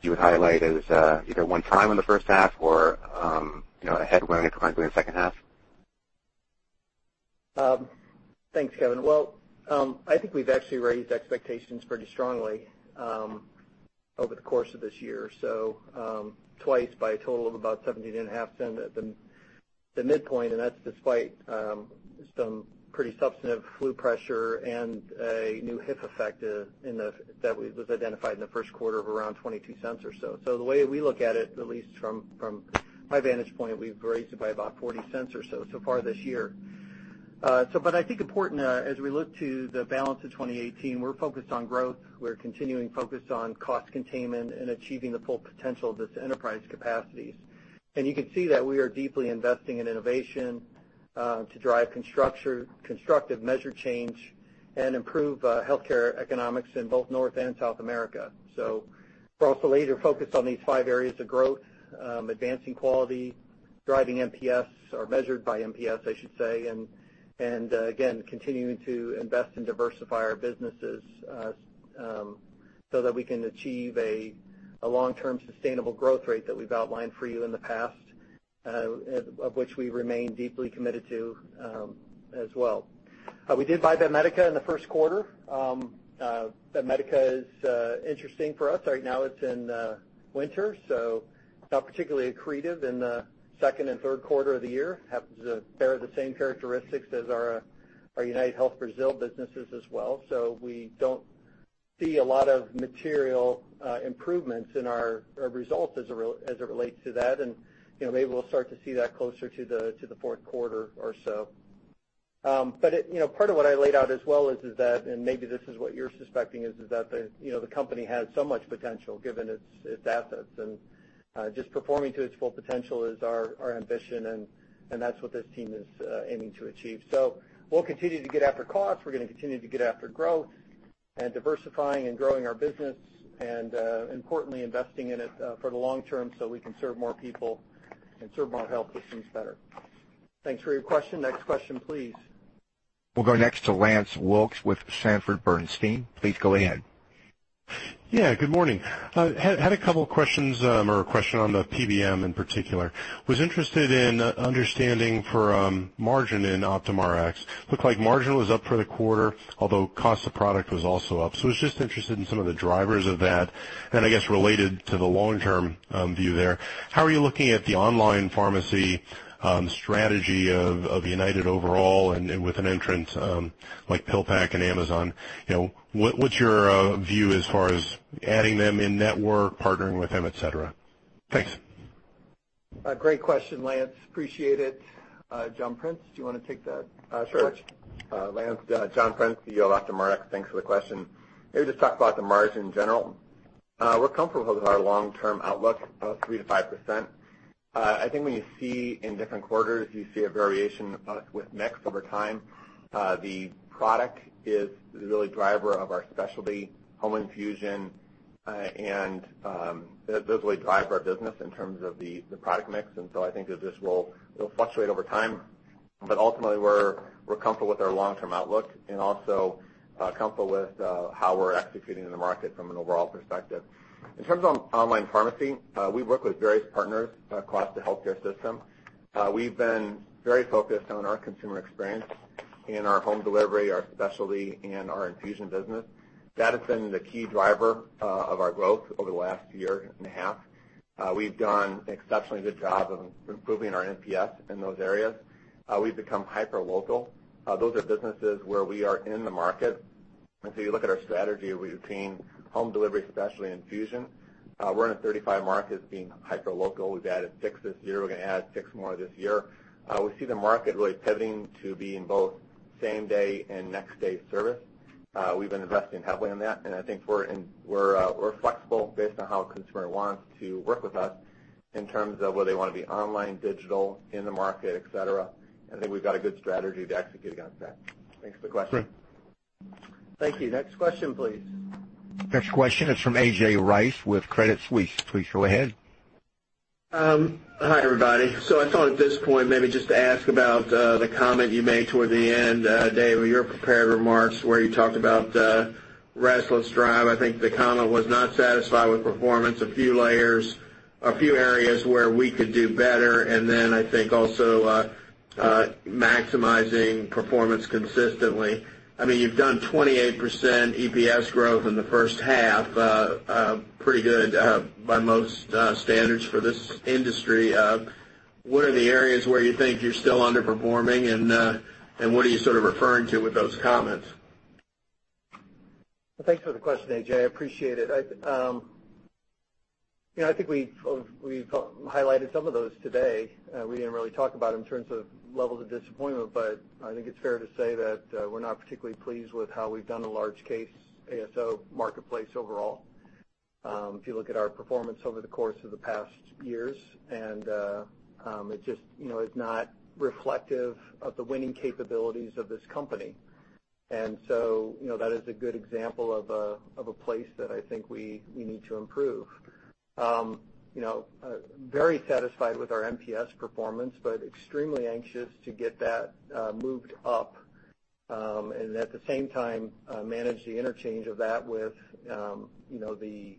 you would highlight as either one-time in the first half or a headwind going into the second half? Thanks, Kevin. Well, I think we've actually raised expectations pretty strongly over the course of this year. Twice by a total of about $0.175 at the midpoint, and that's despite some pretty substantive flu pressure and a new hip effect that was identified in the first quarter of around $0.22 or so. The way we look at it, at least from my vantage point, we've raised it by about $0.40 or so far this year. I think important, as we look to the balance of 2018, we're focused on growth. We're continuing focused on cost containment and achieving the full potential of this enterprise capacities. You can see that we are deeply investing in innovation to drive constructive measure change and improve healthcare economics in both North and South America. For us to later focus on these five areas of growth, advancing quality, driving NPS or measured by NPS, I should say, and again, continuing to invest and diversify our businesses so that we can achieve a long-term sustainable growth rate that we've outlined for you in the past, of which we remain deeply committed to as well. We did buy Banmédica in the first quarter. Banmédica is interesting for us. Right now it's in winter, so not particularly accretive in the second and third quarter of the year. Happens to bear the same characteristics as our UnitedHealth Brazil businesses as well. We don't see a lot of material improvements in our results as it relates to that, and maybe we'll start to see that closer to the fourth quarter or so. Part of what I laid out as well is that, and maybe this is what you're suspecting, is that the company has so much potential given its assets, and just performing to its full potential is our ambition, and that's what this team is aiming to achieve. We'll continue to get after costs. We're going to continue to get after growth and diversifying and growing our business and, importantly, investing in it for the long term so we can serve more people and serve our health systems better. Thanks for your question. Next question, please. We'll go next to Lance Wilkes with Sanford Bernstein. Please go ahead. Yeah, good morning. Had a couple questions or a question on the PBM in particular. Was interested in understanding for margin in Optum Rx. Looked like margin was up for the quarter, although cost of product was also up. Was just interested in some of the drivers of that. I guess related to the long-term view there, how are you looking at the online pharmacy strategy of United overall and with an entrance like PillPack and Amazon? What's your view as far as adding them in network, partnering with them, et cetera? Thanks. Great question, Lance. Appreciate it. John Prince, do you want to take that? Sure. Lance, John Prince, CEO of Optum Rx. Thanks for the question. Maybe just talk about the margin in general. We're comfortable with our long-term outlook of 3% to 5%. I think when you see in different quarters, you see a variation with mix over time. The product is really driver of our specialty home infusion, and those really drive our business in terms of the product mix. I think that this will fluctuate over time. Ultimately, we're comfortable with our long-term outlook and also comfortable with how we're executing in the market from an overall perspective. In terms of online pharmacy, we work with various partners across the healthcare system. We've been very focused on our consumer experience in our home delivery, our specialty, and our infusion business. That has been the key driver of our growth over the last year and a half. We've done an exceptionally good job of improving our NPS in those areas. We've become hyper local. Those are businesses where we are in the market. You look at our strategy between home delivery, specialty, and infusion. We're in 35 markets being hyper local. We've added six this year. We're going to add six more this year. We see the market really pivoting to being both same-day and next-day service. We've been investing heavily in that. I think we're flexible based on how a consumer wants to work with us in terms of whether they want to be online, digital, in the market, et cetera. I think we've got a good strategy to execute against that. Thanks for the question. Great. Thank you. Next question, please. Next question is from A.J. Rice with Credit Suisse. Please go ahead. Hi, everybody. I thought at this point, maybe just to ask about the comment you made toward the end, Dave, of your prepared remarks, where you talked about restless drive. I think the comment was not satisfied with performance, a few layers, a few areas where we could do better, then I think also maximizing performance consistently. You've done 28% EPS growth in the first half, pretty good by most standards for this industry. What are the areas where you think you're still underperforming, and what are you referring to with those comments? Well, thanks for the question, A.J. I appreciate it. I think we've highlighted some of those today. We didn't really talk about in terms of levels of disappointment, but I think it's fair to say that we're not particularly pleased with how we've done the large case ASO marketplace overall. If you look at our performance over the course of the past years, it's not reflective of the winning capabilities of this company. That is a good example of a place that I think we need to improve. Very satisfied with our NPS performance, extremely anxious to get that moved up, and at the same time, manage the interchange of that with the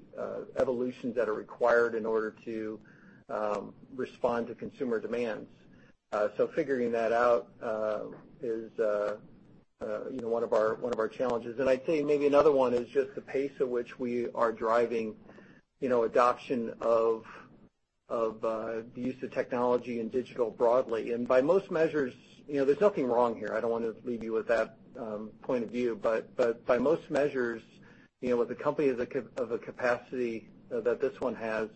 evolutions that are required in order to respond to consumer demands. Figuring that out is one of our challenges. I'd say maybe another one is just the pace at which we are driving adoption of the use of technology and digital broadly. By most measures, there's nothing wrong here. I don't want to leave you with that point of view. By most measures, with a company of a capacity that this one has,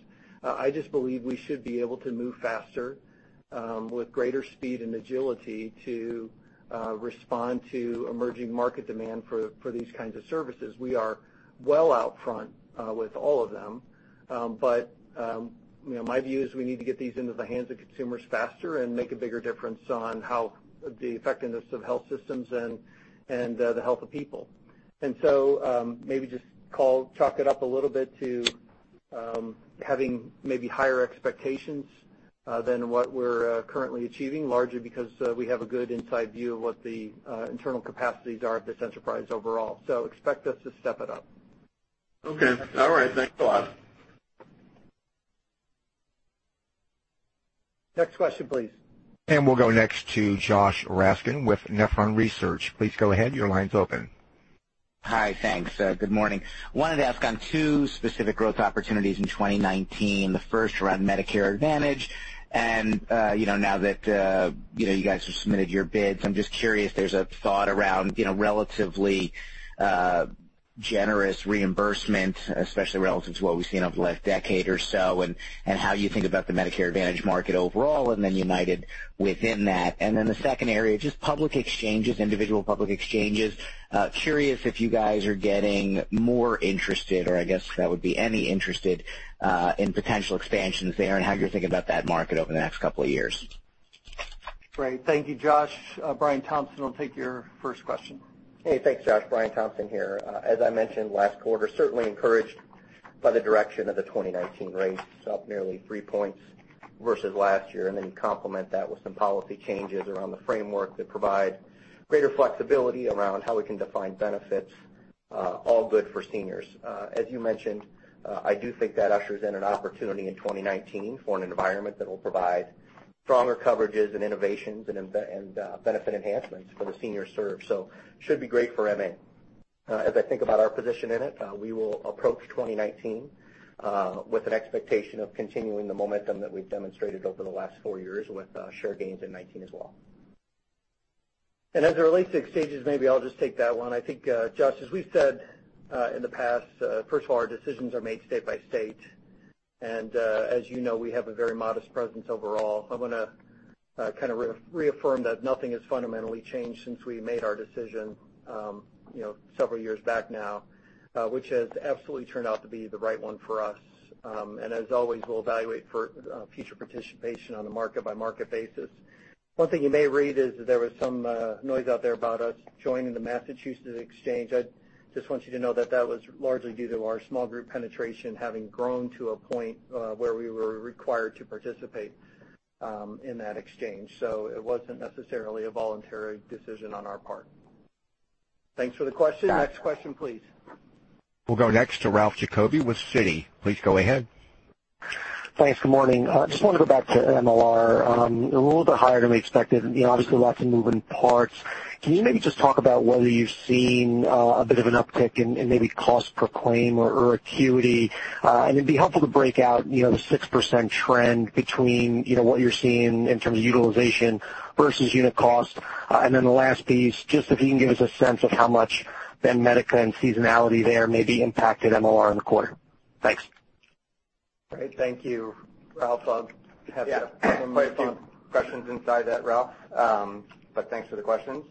I just believe we should be able to move faster with greater speed and agility to respond to emerging market demand for these kinds of services. We are well out front with all of them. My view is we need to get these into the hands of consumers faster and make a bigger difference on how the effectiveness of health systems and the health of people. Maybe just chalk it up a little bit to having maybe higher expectations than what we're currently achieving, largely because we have a good inside view of what the internal capacities are at this enterprise overall. Expect us to step it up. Okay. All right. Thanks a lot. Next question, please. We'll go next to Josh Raskin with Nephron Research. Please go ahead. Your line's open. Hi, thanks. Good morning. Wanted to ask on two specific growth opportunities in 2019. The first around Medicare Advantage, and now that you guys have submitted your bids. I'm just curious if there's a thought around relatively generous reimbursement, especially relative to what we've seen over the last decade or so, and how you think about the Medicare Advantage market overall, and then United within that. The second area, just public exchanges, individual public exchanges. Curious if you guys are getting more interested, or I guess that would be any interested in potential expansions there and how you're thinking about that market over the next couple of years. Great. Thank you, Josh. Brian Thompson will take your first question. Hey, thanks, Josh. Brian Thompson here. As I mentioned last quarter, certainly encouraged by the direction of the 2019 rates, up nearly three points versus last year. Complement that with some policy changes around the framework that provide greater flexibility around how we can define benefits, all good for seniors. As you mentioned, I do think that ushers in an opportunity in 2019 for an environment that will provide stronger coverages and innovations and benefit enhancements for the seniors served. Should be great for MA. As I think about our position in it, we will approach 2019 with an expectation of continuing the momentum that we've demonstrated over the last four years with share gains in 2019 as well. As it relates to exchanges, maybe I'll just take that one. I think, Josh, as we've said in the past, first of all, our decisions are made state by state. As you know, we have a very modest presence overall. I want to reaffirm that nothing has fundamentally changed since we made our decision several years back now, which has absolutely turned out to be the right one for us. As always, we'll evaluate for future participation on a market-by-market basis. One thing you may read is that there was some noise out there about us joining the Massachusetts exchange. I just want you to know that was largely due to our small group penetration having grown to a point where we were required to participate in that exchange. It wasn't necessarily a voluntary decision on our part. Thanks for the question. Next question, please. We'll go next to Ralph Giacobbe with Citi. Please go ahead. Thanks. Good morning. Just want to go back to MLR. A little bit higher than we expected. Obviously lots of moving parts. Can you maybe just talk about whether you've seen a bit of an uptick in maybe cost per claim or acuity? It'd be helpful to break out the 6% trend between what you're seeing in terms of utilization versus unit cost. The last piece, just if you can give us a sense of how much Banmédica and seasonality there maybe impacted MLR in the quarter. Thanks. Great. Thank you, Ralph. I'll have Jeff- Yeah. Quite a few questions inside that, Ralph. Thanks for the questions.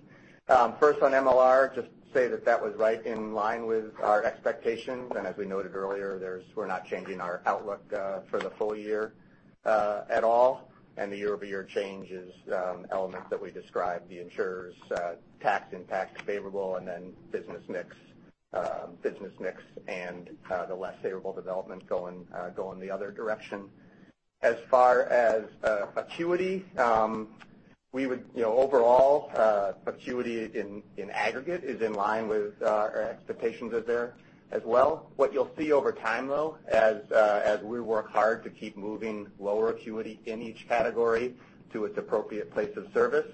First on MLR, just to say that that was right in line with our expectations. As we noted earlier, we're not changing our outlook for the full year at all. The year-over-year change is an element that we describe the insurer's tax impact favorable, then business mix and the less favorable development going the other direction. As far as acuity, overall, acuity in aggregate is in line with our expectations there as well. What you'll see over time, though, as we work hard to keep moving lower acuity in each category to its appropriate place of service,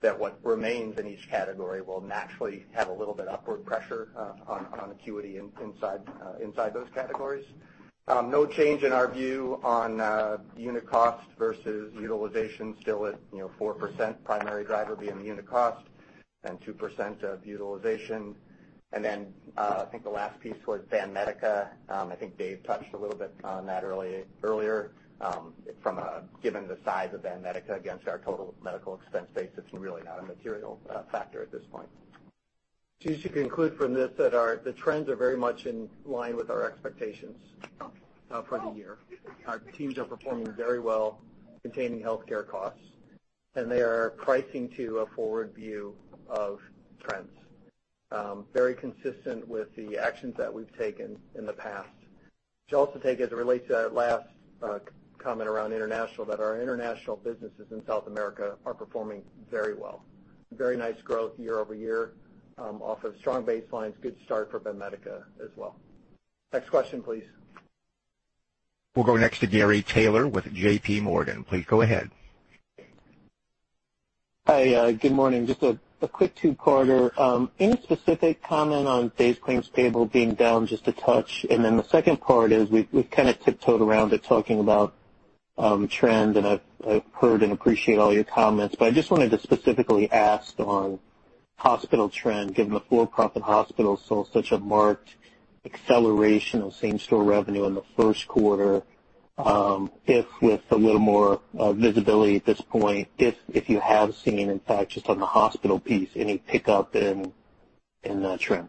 that what remains in each category will naturally have a little bit upward pressure on acuity inside those categories. No change in our view on unit cost versus utilization. Still at 4%, primary driver being unit cost and 2% of utilization. I think the last piece was Banmédica. I think Dave touched a little bit on that earlier. Given the size of Banmédica against our total medical expense base, it's really not a material factor at this point. You should conclude from this that the trends are very much in line with our expectations for the year. Our teams are performing very well, containing healthcare costs, and they are pricing to a forward view of trends. Very consistent with the actions that we've taken in the past. You should also take as it relates to that last comment around international, that our international businesses in South America are performing very well. Very nice growth year-over-year off of strong baselines. Good start for Banmédica as well. Next question, please. We'll go next to Gary Taylor with JP Morgan. Please go ahead. Hi. Good morning. Just a quick two-parter. Any specific comment on days claims payable being down just a touch? The second part is, we've kind of tiptoed around it talking about trend, and I've heard and appreciate all your comments, but I just wanted to specifically ask on hospital trend, given the for-profit hospital saw such a marked acceleration of same-store revenue in the first quarter. If with a little more visibility at this point, if you have seen, in fact, just on the hospital piece, any pickup in that trend?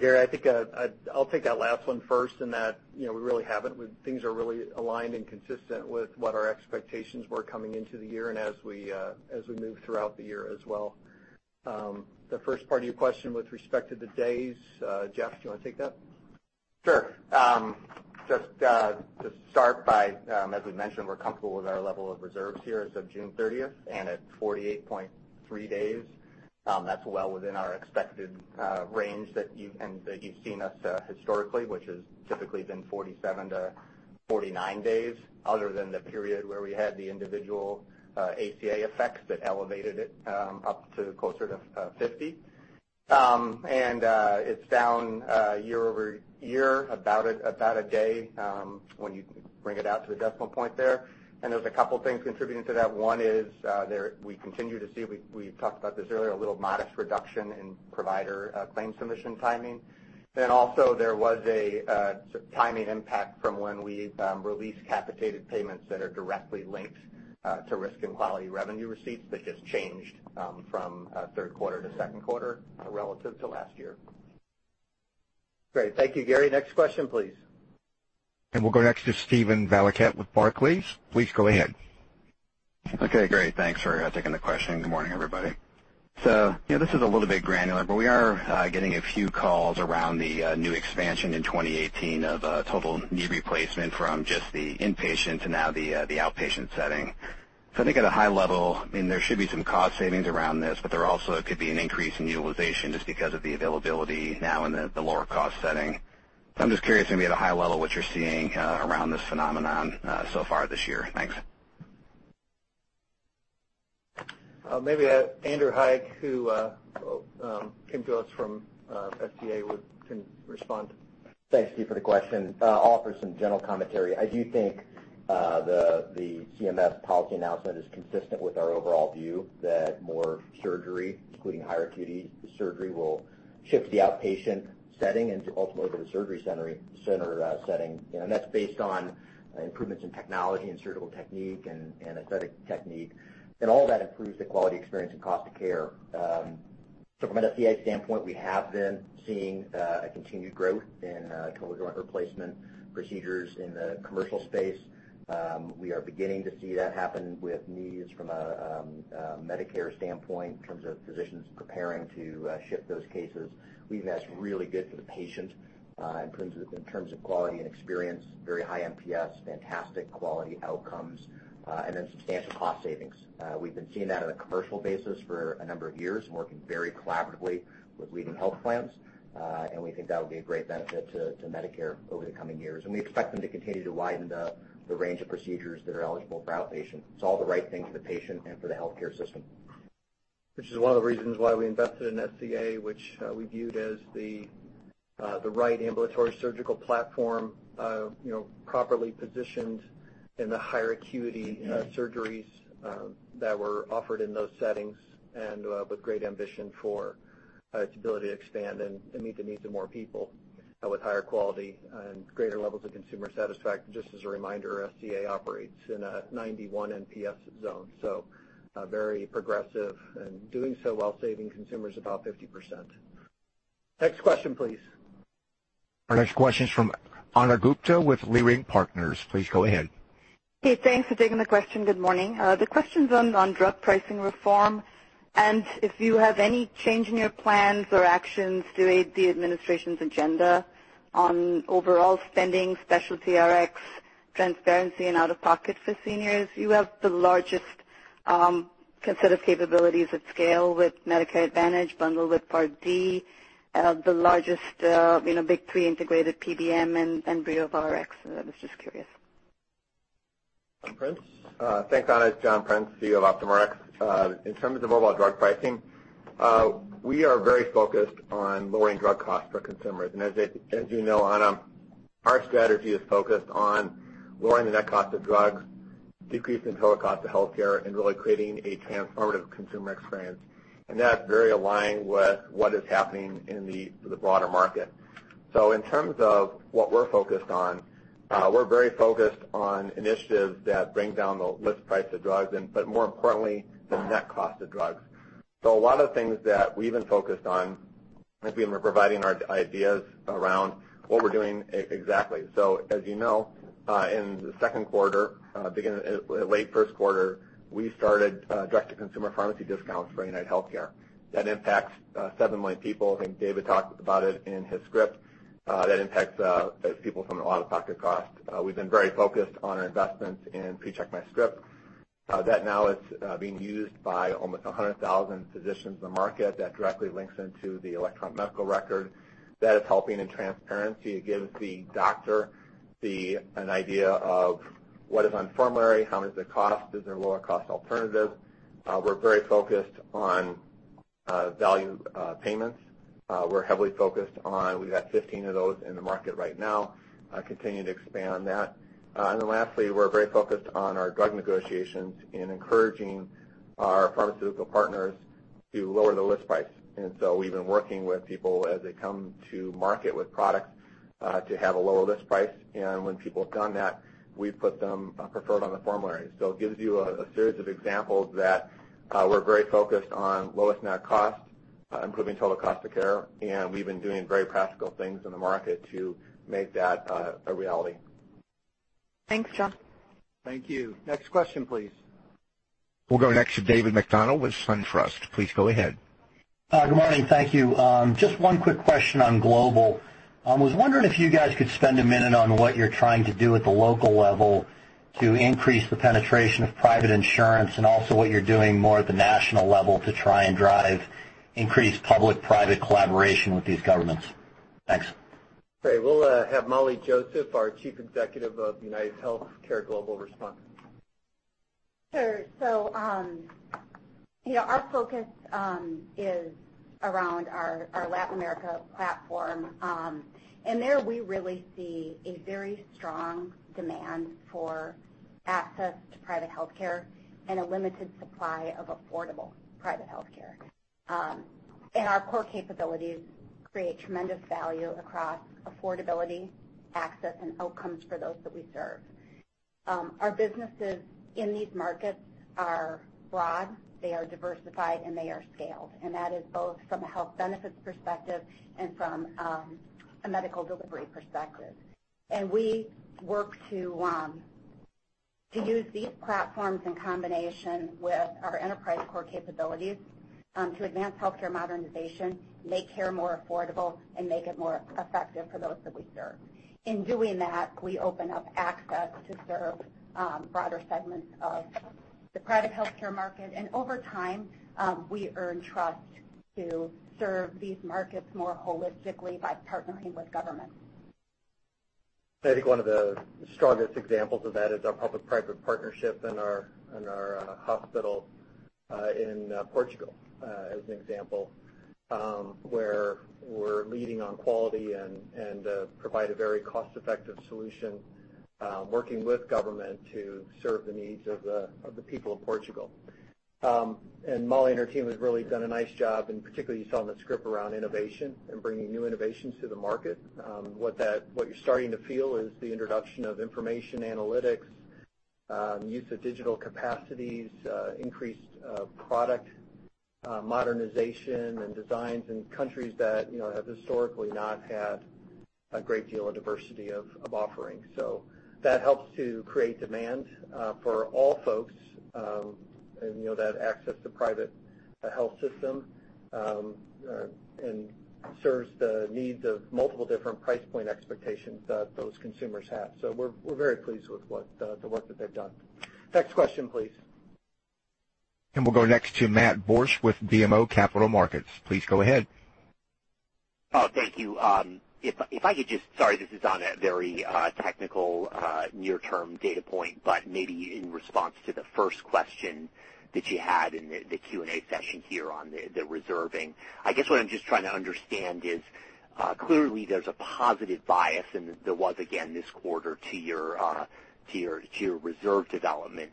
Gary, I think I'll take that last one first in that we really haven't. Things are really aligned and consistent with what our expectations were coming into the year and as we move throughout the year as well. The first part of your question with respect to the days, Jeff, do you want to take that? Sure. Just to start by, as we mentioned, we're comfortable with our level of reserves here as of June 30th. At 48.3 days, that's well within our expected range that you've seen us historically, which has typically been 47 to 49 days, other than the period where we had the individual ACA effects that elevated it up to closer to 50. It's down year-over-year about a day, when you bring it out to the decimal point there. There's a couple things contributing to that. One is we continue to see, we talked about this earlier, a little modest reduction in provider claim submission timing. Also there was a timing impact from when we released capitated payments that are directly linked to risk and quality revenue receipts that just changed from third quarter to second quarter relative to last year. Great. Thank you, Gary. Next question, please. We'll go next to Steven Valiquette with Barclays. Please go ahead. Okay, great. Thanks for taking the question. Good morning, everybody. This is a little bit granular, but we are getting a few calls around the new expansion in 2018 of total knee replacement from just the inpatient to now the outpatient setting. I think at a high level, there should be some cost savings around this, but there also could be an increase in utilization just because of the availability now in the lower cost setting. I'm just curious maybe at a high level what you're seeing around this phenomenon so far this year. Thanks. Maybe Andrew Hayek, who came to us from SCA can respond. Thanks, Steve, for the question. I'll offer some general commentary. I do think the CMS policy announcement is consistent with our overall view that more surgery, including higher acuity surgery, will shift to the outpatient setting and ultimately to the surgery center setting. That's based on improvements in technology and surgical technique and anesthetic technique. All that improves the quality experience and cost of care. From an SCA standpoint, we have been seeing a continued growth in total joint replacement procedures in the commercial space. We are beginning to see that happen with knees from a Medicare standpoint in terms of physicians preparing to shift those cases. We think that's really good for the patient in terms of quality and experience, very high NPS, fantastic quality outcomes, and then substantial cost savings. We've been seeing that on a commercial basis for a number of years, working very collaboratively with leading health plans. We think that will be a great benefit to Medicare over the coming years. We expect them to continue to widen the range of procedures that are eligible for outpatient. It's all the right thing for the patient and for the healthcare system. Which is one of the reasons why we invested in SCA, which we viewed as the right ambulatory surgical platform, properly positioned. In the higher acuity surgeries that were offered in those settings and with great ambition for its ability to expand and meet the needs of more people with higher quality and greater levels of consumer satisfaction. Just as a reminder, SCA operates in a 91 NPS zone, so very progressive and doing so while saving consumers about 50%. Next question, please. Our next question is from Ana Gupte with Leerink Partners. Please go ahead. Hey, thanks for taking the question. Good morning. The question's on drug pricing reform, if you have any change in your plans or actions to aid the administration's agenda on overall spending, special TRx transparency and out-of-pocket for seniors. You have the largest set of capabilities at scale with Medicare Advantage bundled with Part D, the largest big three integrated PBM and BriovaRx. I was just curious. John Prince. Thanks, Ana. It's John Prince, CEO of Optum Rx. In terms of overall drug pricing, we are very focused on lowering drug costs for consumers. As you know, Ana, our strategy is focused on lowering the net cost of drugs, decreasing total cost of healthcare, and really creating a transformative consumer experience. That's very aligned with what is happening in the broader market. In terms of what we're focused on, we're very focused on initiatives that bring down the list price of drugs but more importantly, the net cost of drugs. A lot of things that we've been focused on, and we've been providing our ideas around what we're doing exactly. As you know, in the second quarter, beginning late first quarter, we started direct-to-consumer pharmacy discounts for UnitedHealthcare. That impacts seven million people. I think David talked about it in his script. That impacts people from an out-of-pocket cost. We've been very focused on our investments in PreCheck MyScript. That now is being used by almost 100,000 physicians in the market. That directly links into the electronic medical record. That is helping in transparency. It gives the doctor an idea of what is on formulary, how much does it cost, is there a lower cost alternative. We're very focused on value payments. We've got 15 of those in the market right now, continuing to expand that. Lastly, we're very focused on our drug negotiations in encouraging our pharmaceutical partners to lower the list price. So we've been working with people as they come to market with products, to have a lower list price. When people have done that, we've put them preferred on the formulary. It gives you a series of examples that we're very focused on lowest net cost, improving total cost of care, we've been doing very practical things in the market to make that a reality. Thanks, John. Thank you. Next question, please. We'll go next to David MacDonald with SunTrust. Please go ahead. Good morning. Thank you. Just one quick question on global. I was wondering if you guys could spend a minute on what you're trying to do at the local level to increase the penetration of private insurance and also what you're doing more at the national level to try and drive increased public-private collaboration with these governments. Thanks. Great. We'll have Molly Joseph, our Chief Executive of UnitedHealthcare Global, respond. Sure. Our focus is around our Latin America platform. There, we really see a very strong demand for access to private healthcare and a limited supply of affordable private healthcare. Our core capabilities create tremendous value across affordability, access, and outcomes for those that we serve. Our businesses in these markets are broad, they are diversified, and they are scaled, and that is both from a health benefits perspective and from a medical delivery perspective. We work to use these platforms in combination with our enterprise core capabilities to advance healthcare modernization, make care more affordable, and make it more effective for those that we serve. In doing that, we open up access to serve broader segments of the private healthcare market, and over time, we earn trust to serve these markets more holistically by partnering with governments. I think one of the strongest examples of that is our public-private partnership in our hospital in Portugal as an example, where we're leading on quality and provide a very cost-effective solution, working with government to serve the needs of the people of Portugal. Molly Joseph and her team have really done a nice job, and particularly you saw in the script around innovation and bringing new innovations to the market. What you're starting to feel is the introduction of information analytics, use of digital capacities, increased product modernization and designs in countries that have historically not had a great deal of diversity of offerings. That helps to create demand for all folks and that access to private health system, and serves the needs of multiple different price point expectations that those consumers have. We're very pleased with the work that they've done. Next question, please. We'll go next to Matt Borsch with BMO Capital Markets. Please go ahead. Thank you. Sorry, this is on a very technical near-term data point, but maybe in response to the first question that you had in the Q&A session here on the reserving. I guess what I'm just trying to understand is, clearly there's a positive bias, and there was again this quarter to your reserve development.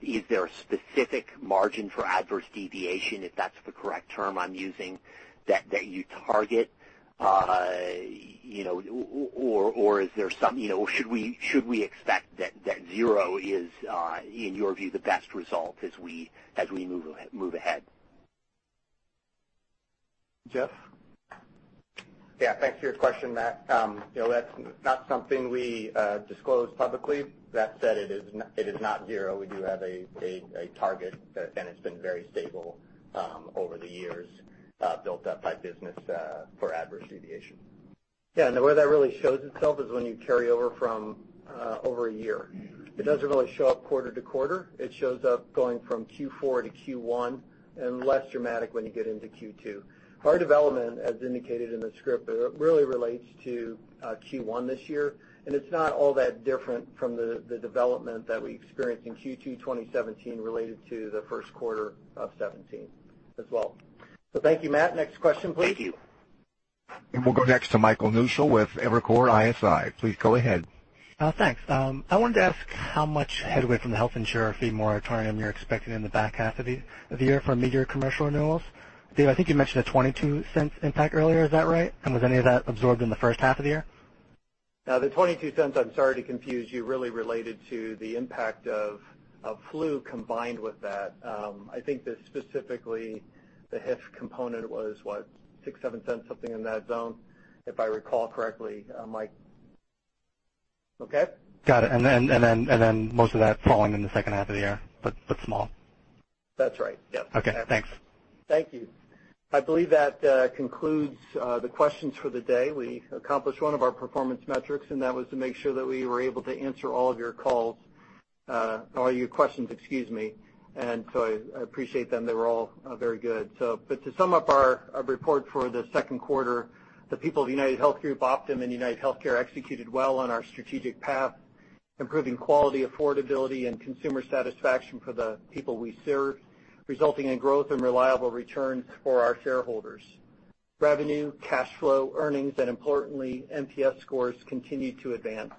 Is there a specific margin for adverse deviation, if that's the correct term I'm using, that you target? Or should we expect that zero is, in your view, the best result as we move ahead? Jeff? Thanks for your question, Matt. That's not something we disclose publicly. That said, it is not zero. We do have a target, and it's been very stable over the years, built up by business for adverse deviation. Yeah, the way that really shows itself is when you carry over from over a year. It doesn't really show up quarter to quarter. It shows up going from Q4 to Q1, less dramatic when you get into Q2. Our development, as indicated in the script, really relates to Q1 this year, and it's not all that different from the development that we experienced in Q2 2017 related to the first quarter of 2017 as well. Thank you, Matt. Next question, please. Thank you. We'll go next to Michael Newshel with Evercore ISI. Please go ahead. Thanks. I wanted to ask how much headway from the health insurer fee moratorium you're expecting in the back half of the year for major commercial renewals. Dave, I think you mentioned a $0.22 impact earlier. Is that right? Was any of that absorbed in the first half of the year? The $0.22, I'm sorry to confuse you, really related to the impact of flu combined with that. I think that specifically the HIF component was, what, $0.06, $0.07, something in that zone, if I recall correctly, Mike. Okay. Got it. Then most of that falling in the second half of the year, but small. That's right. Yep. Okay, thanks. Thank you. I believe that concludes the questions for the day. We accomplished one of our performance metrics, and that was to make sure that we were able to answer all of your calls, all your questions, excuse me. I appreciate them. They were all very good. To sum up our report for the second quarter, the people of UnitedHealth Group, Optum, and UnitedHealthcare executed well on our strategic path, improving quality, affordability, and consumer satisfaction for the people we serve, resulting in growth and reliable returns for our shareholders. Revenue, cash flow, earnings, and importantly, NPS scores continued to advance.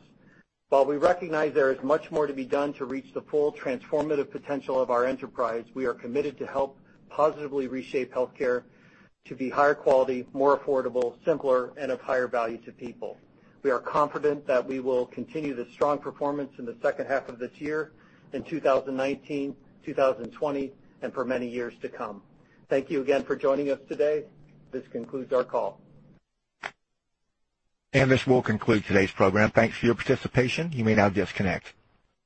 While we recognize there is much more to be done to reach the full transformative potential of our enterprise, we are committed to help positively reshape healthcare to be higher quality, more affordable, simpler, and of higher value to people. We are confident that we will continue the strong performance in the second half of this year, in 2019, 2020, and for many years to come. Thank you again for joining us today. This concludes our call. This will conclude today's program. Thanks for your participation. You may now disconnect.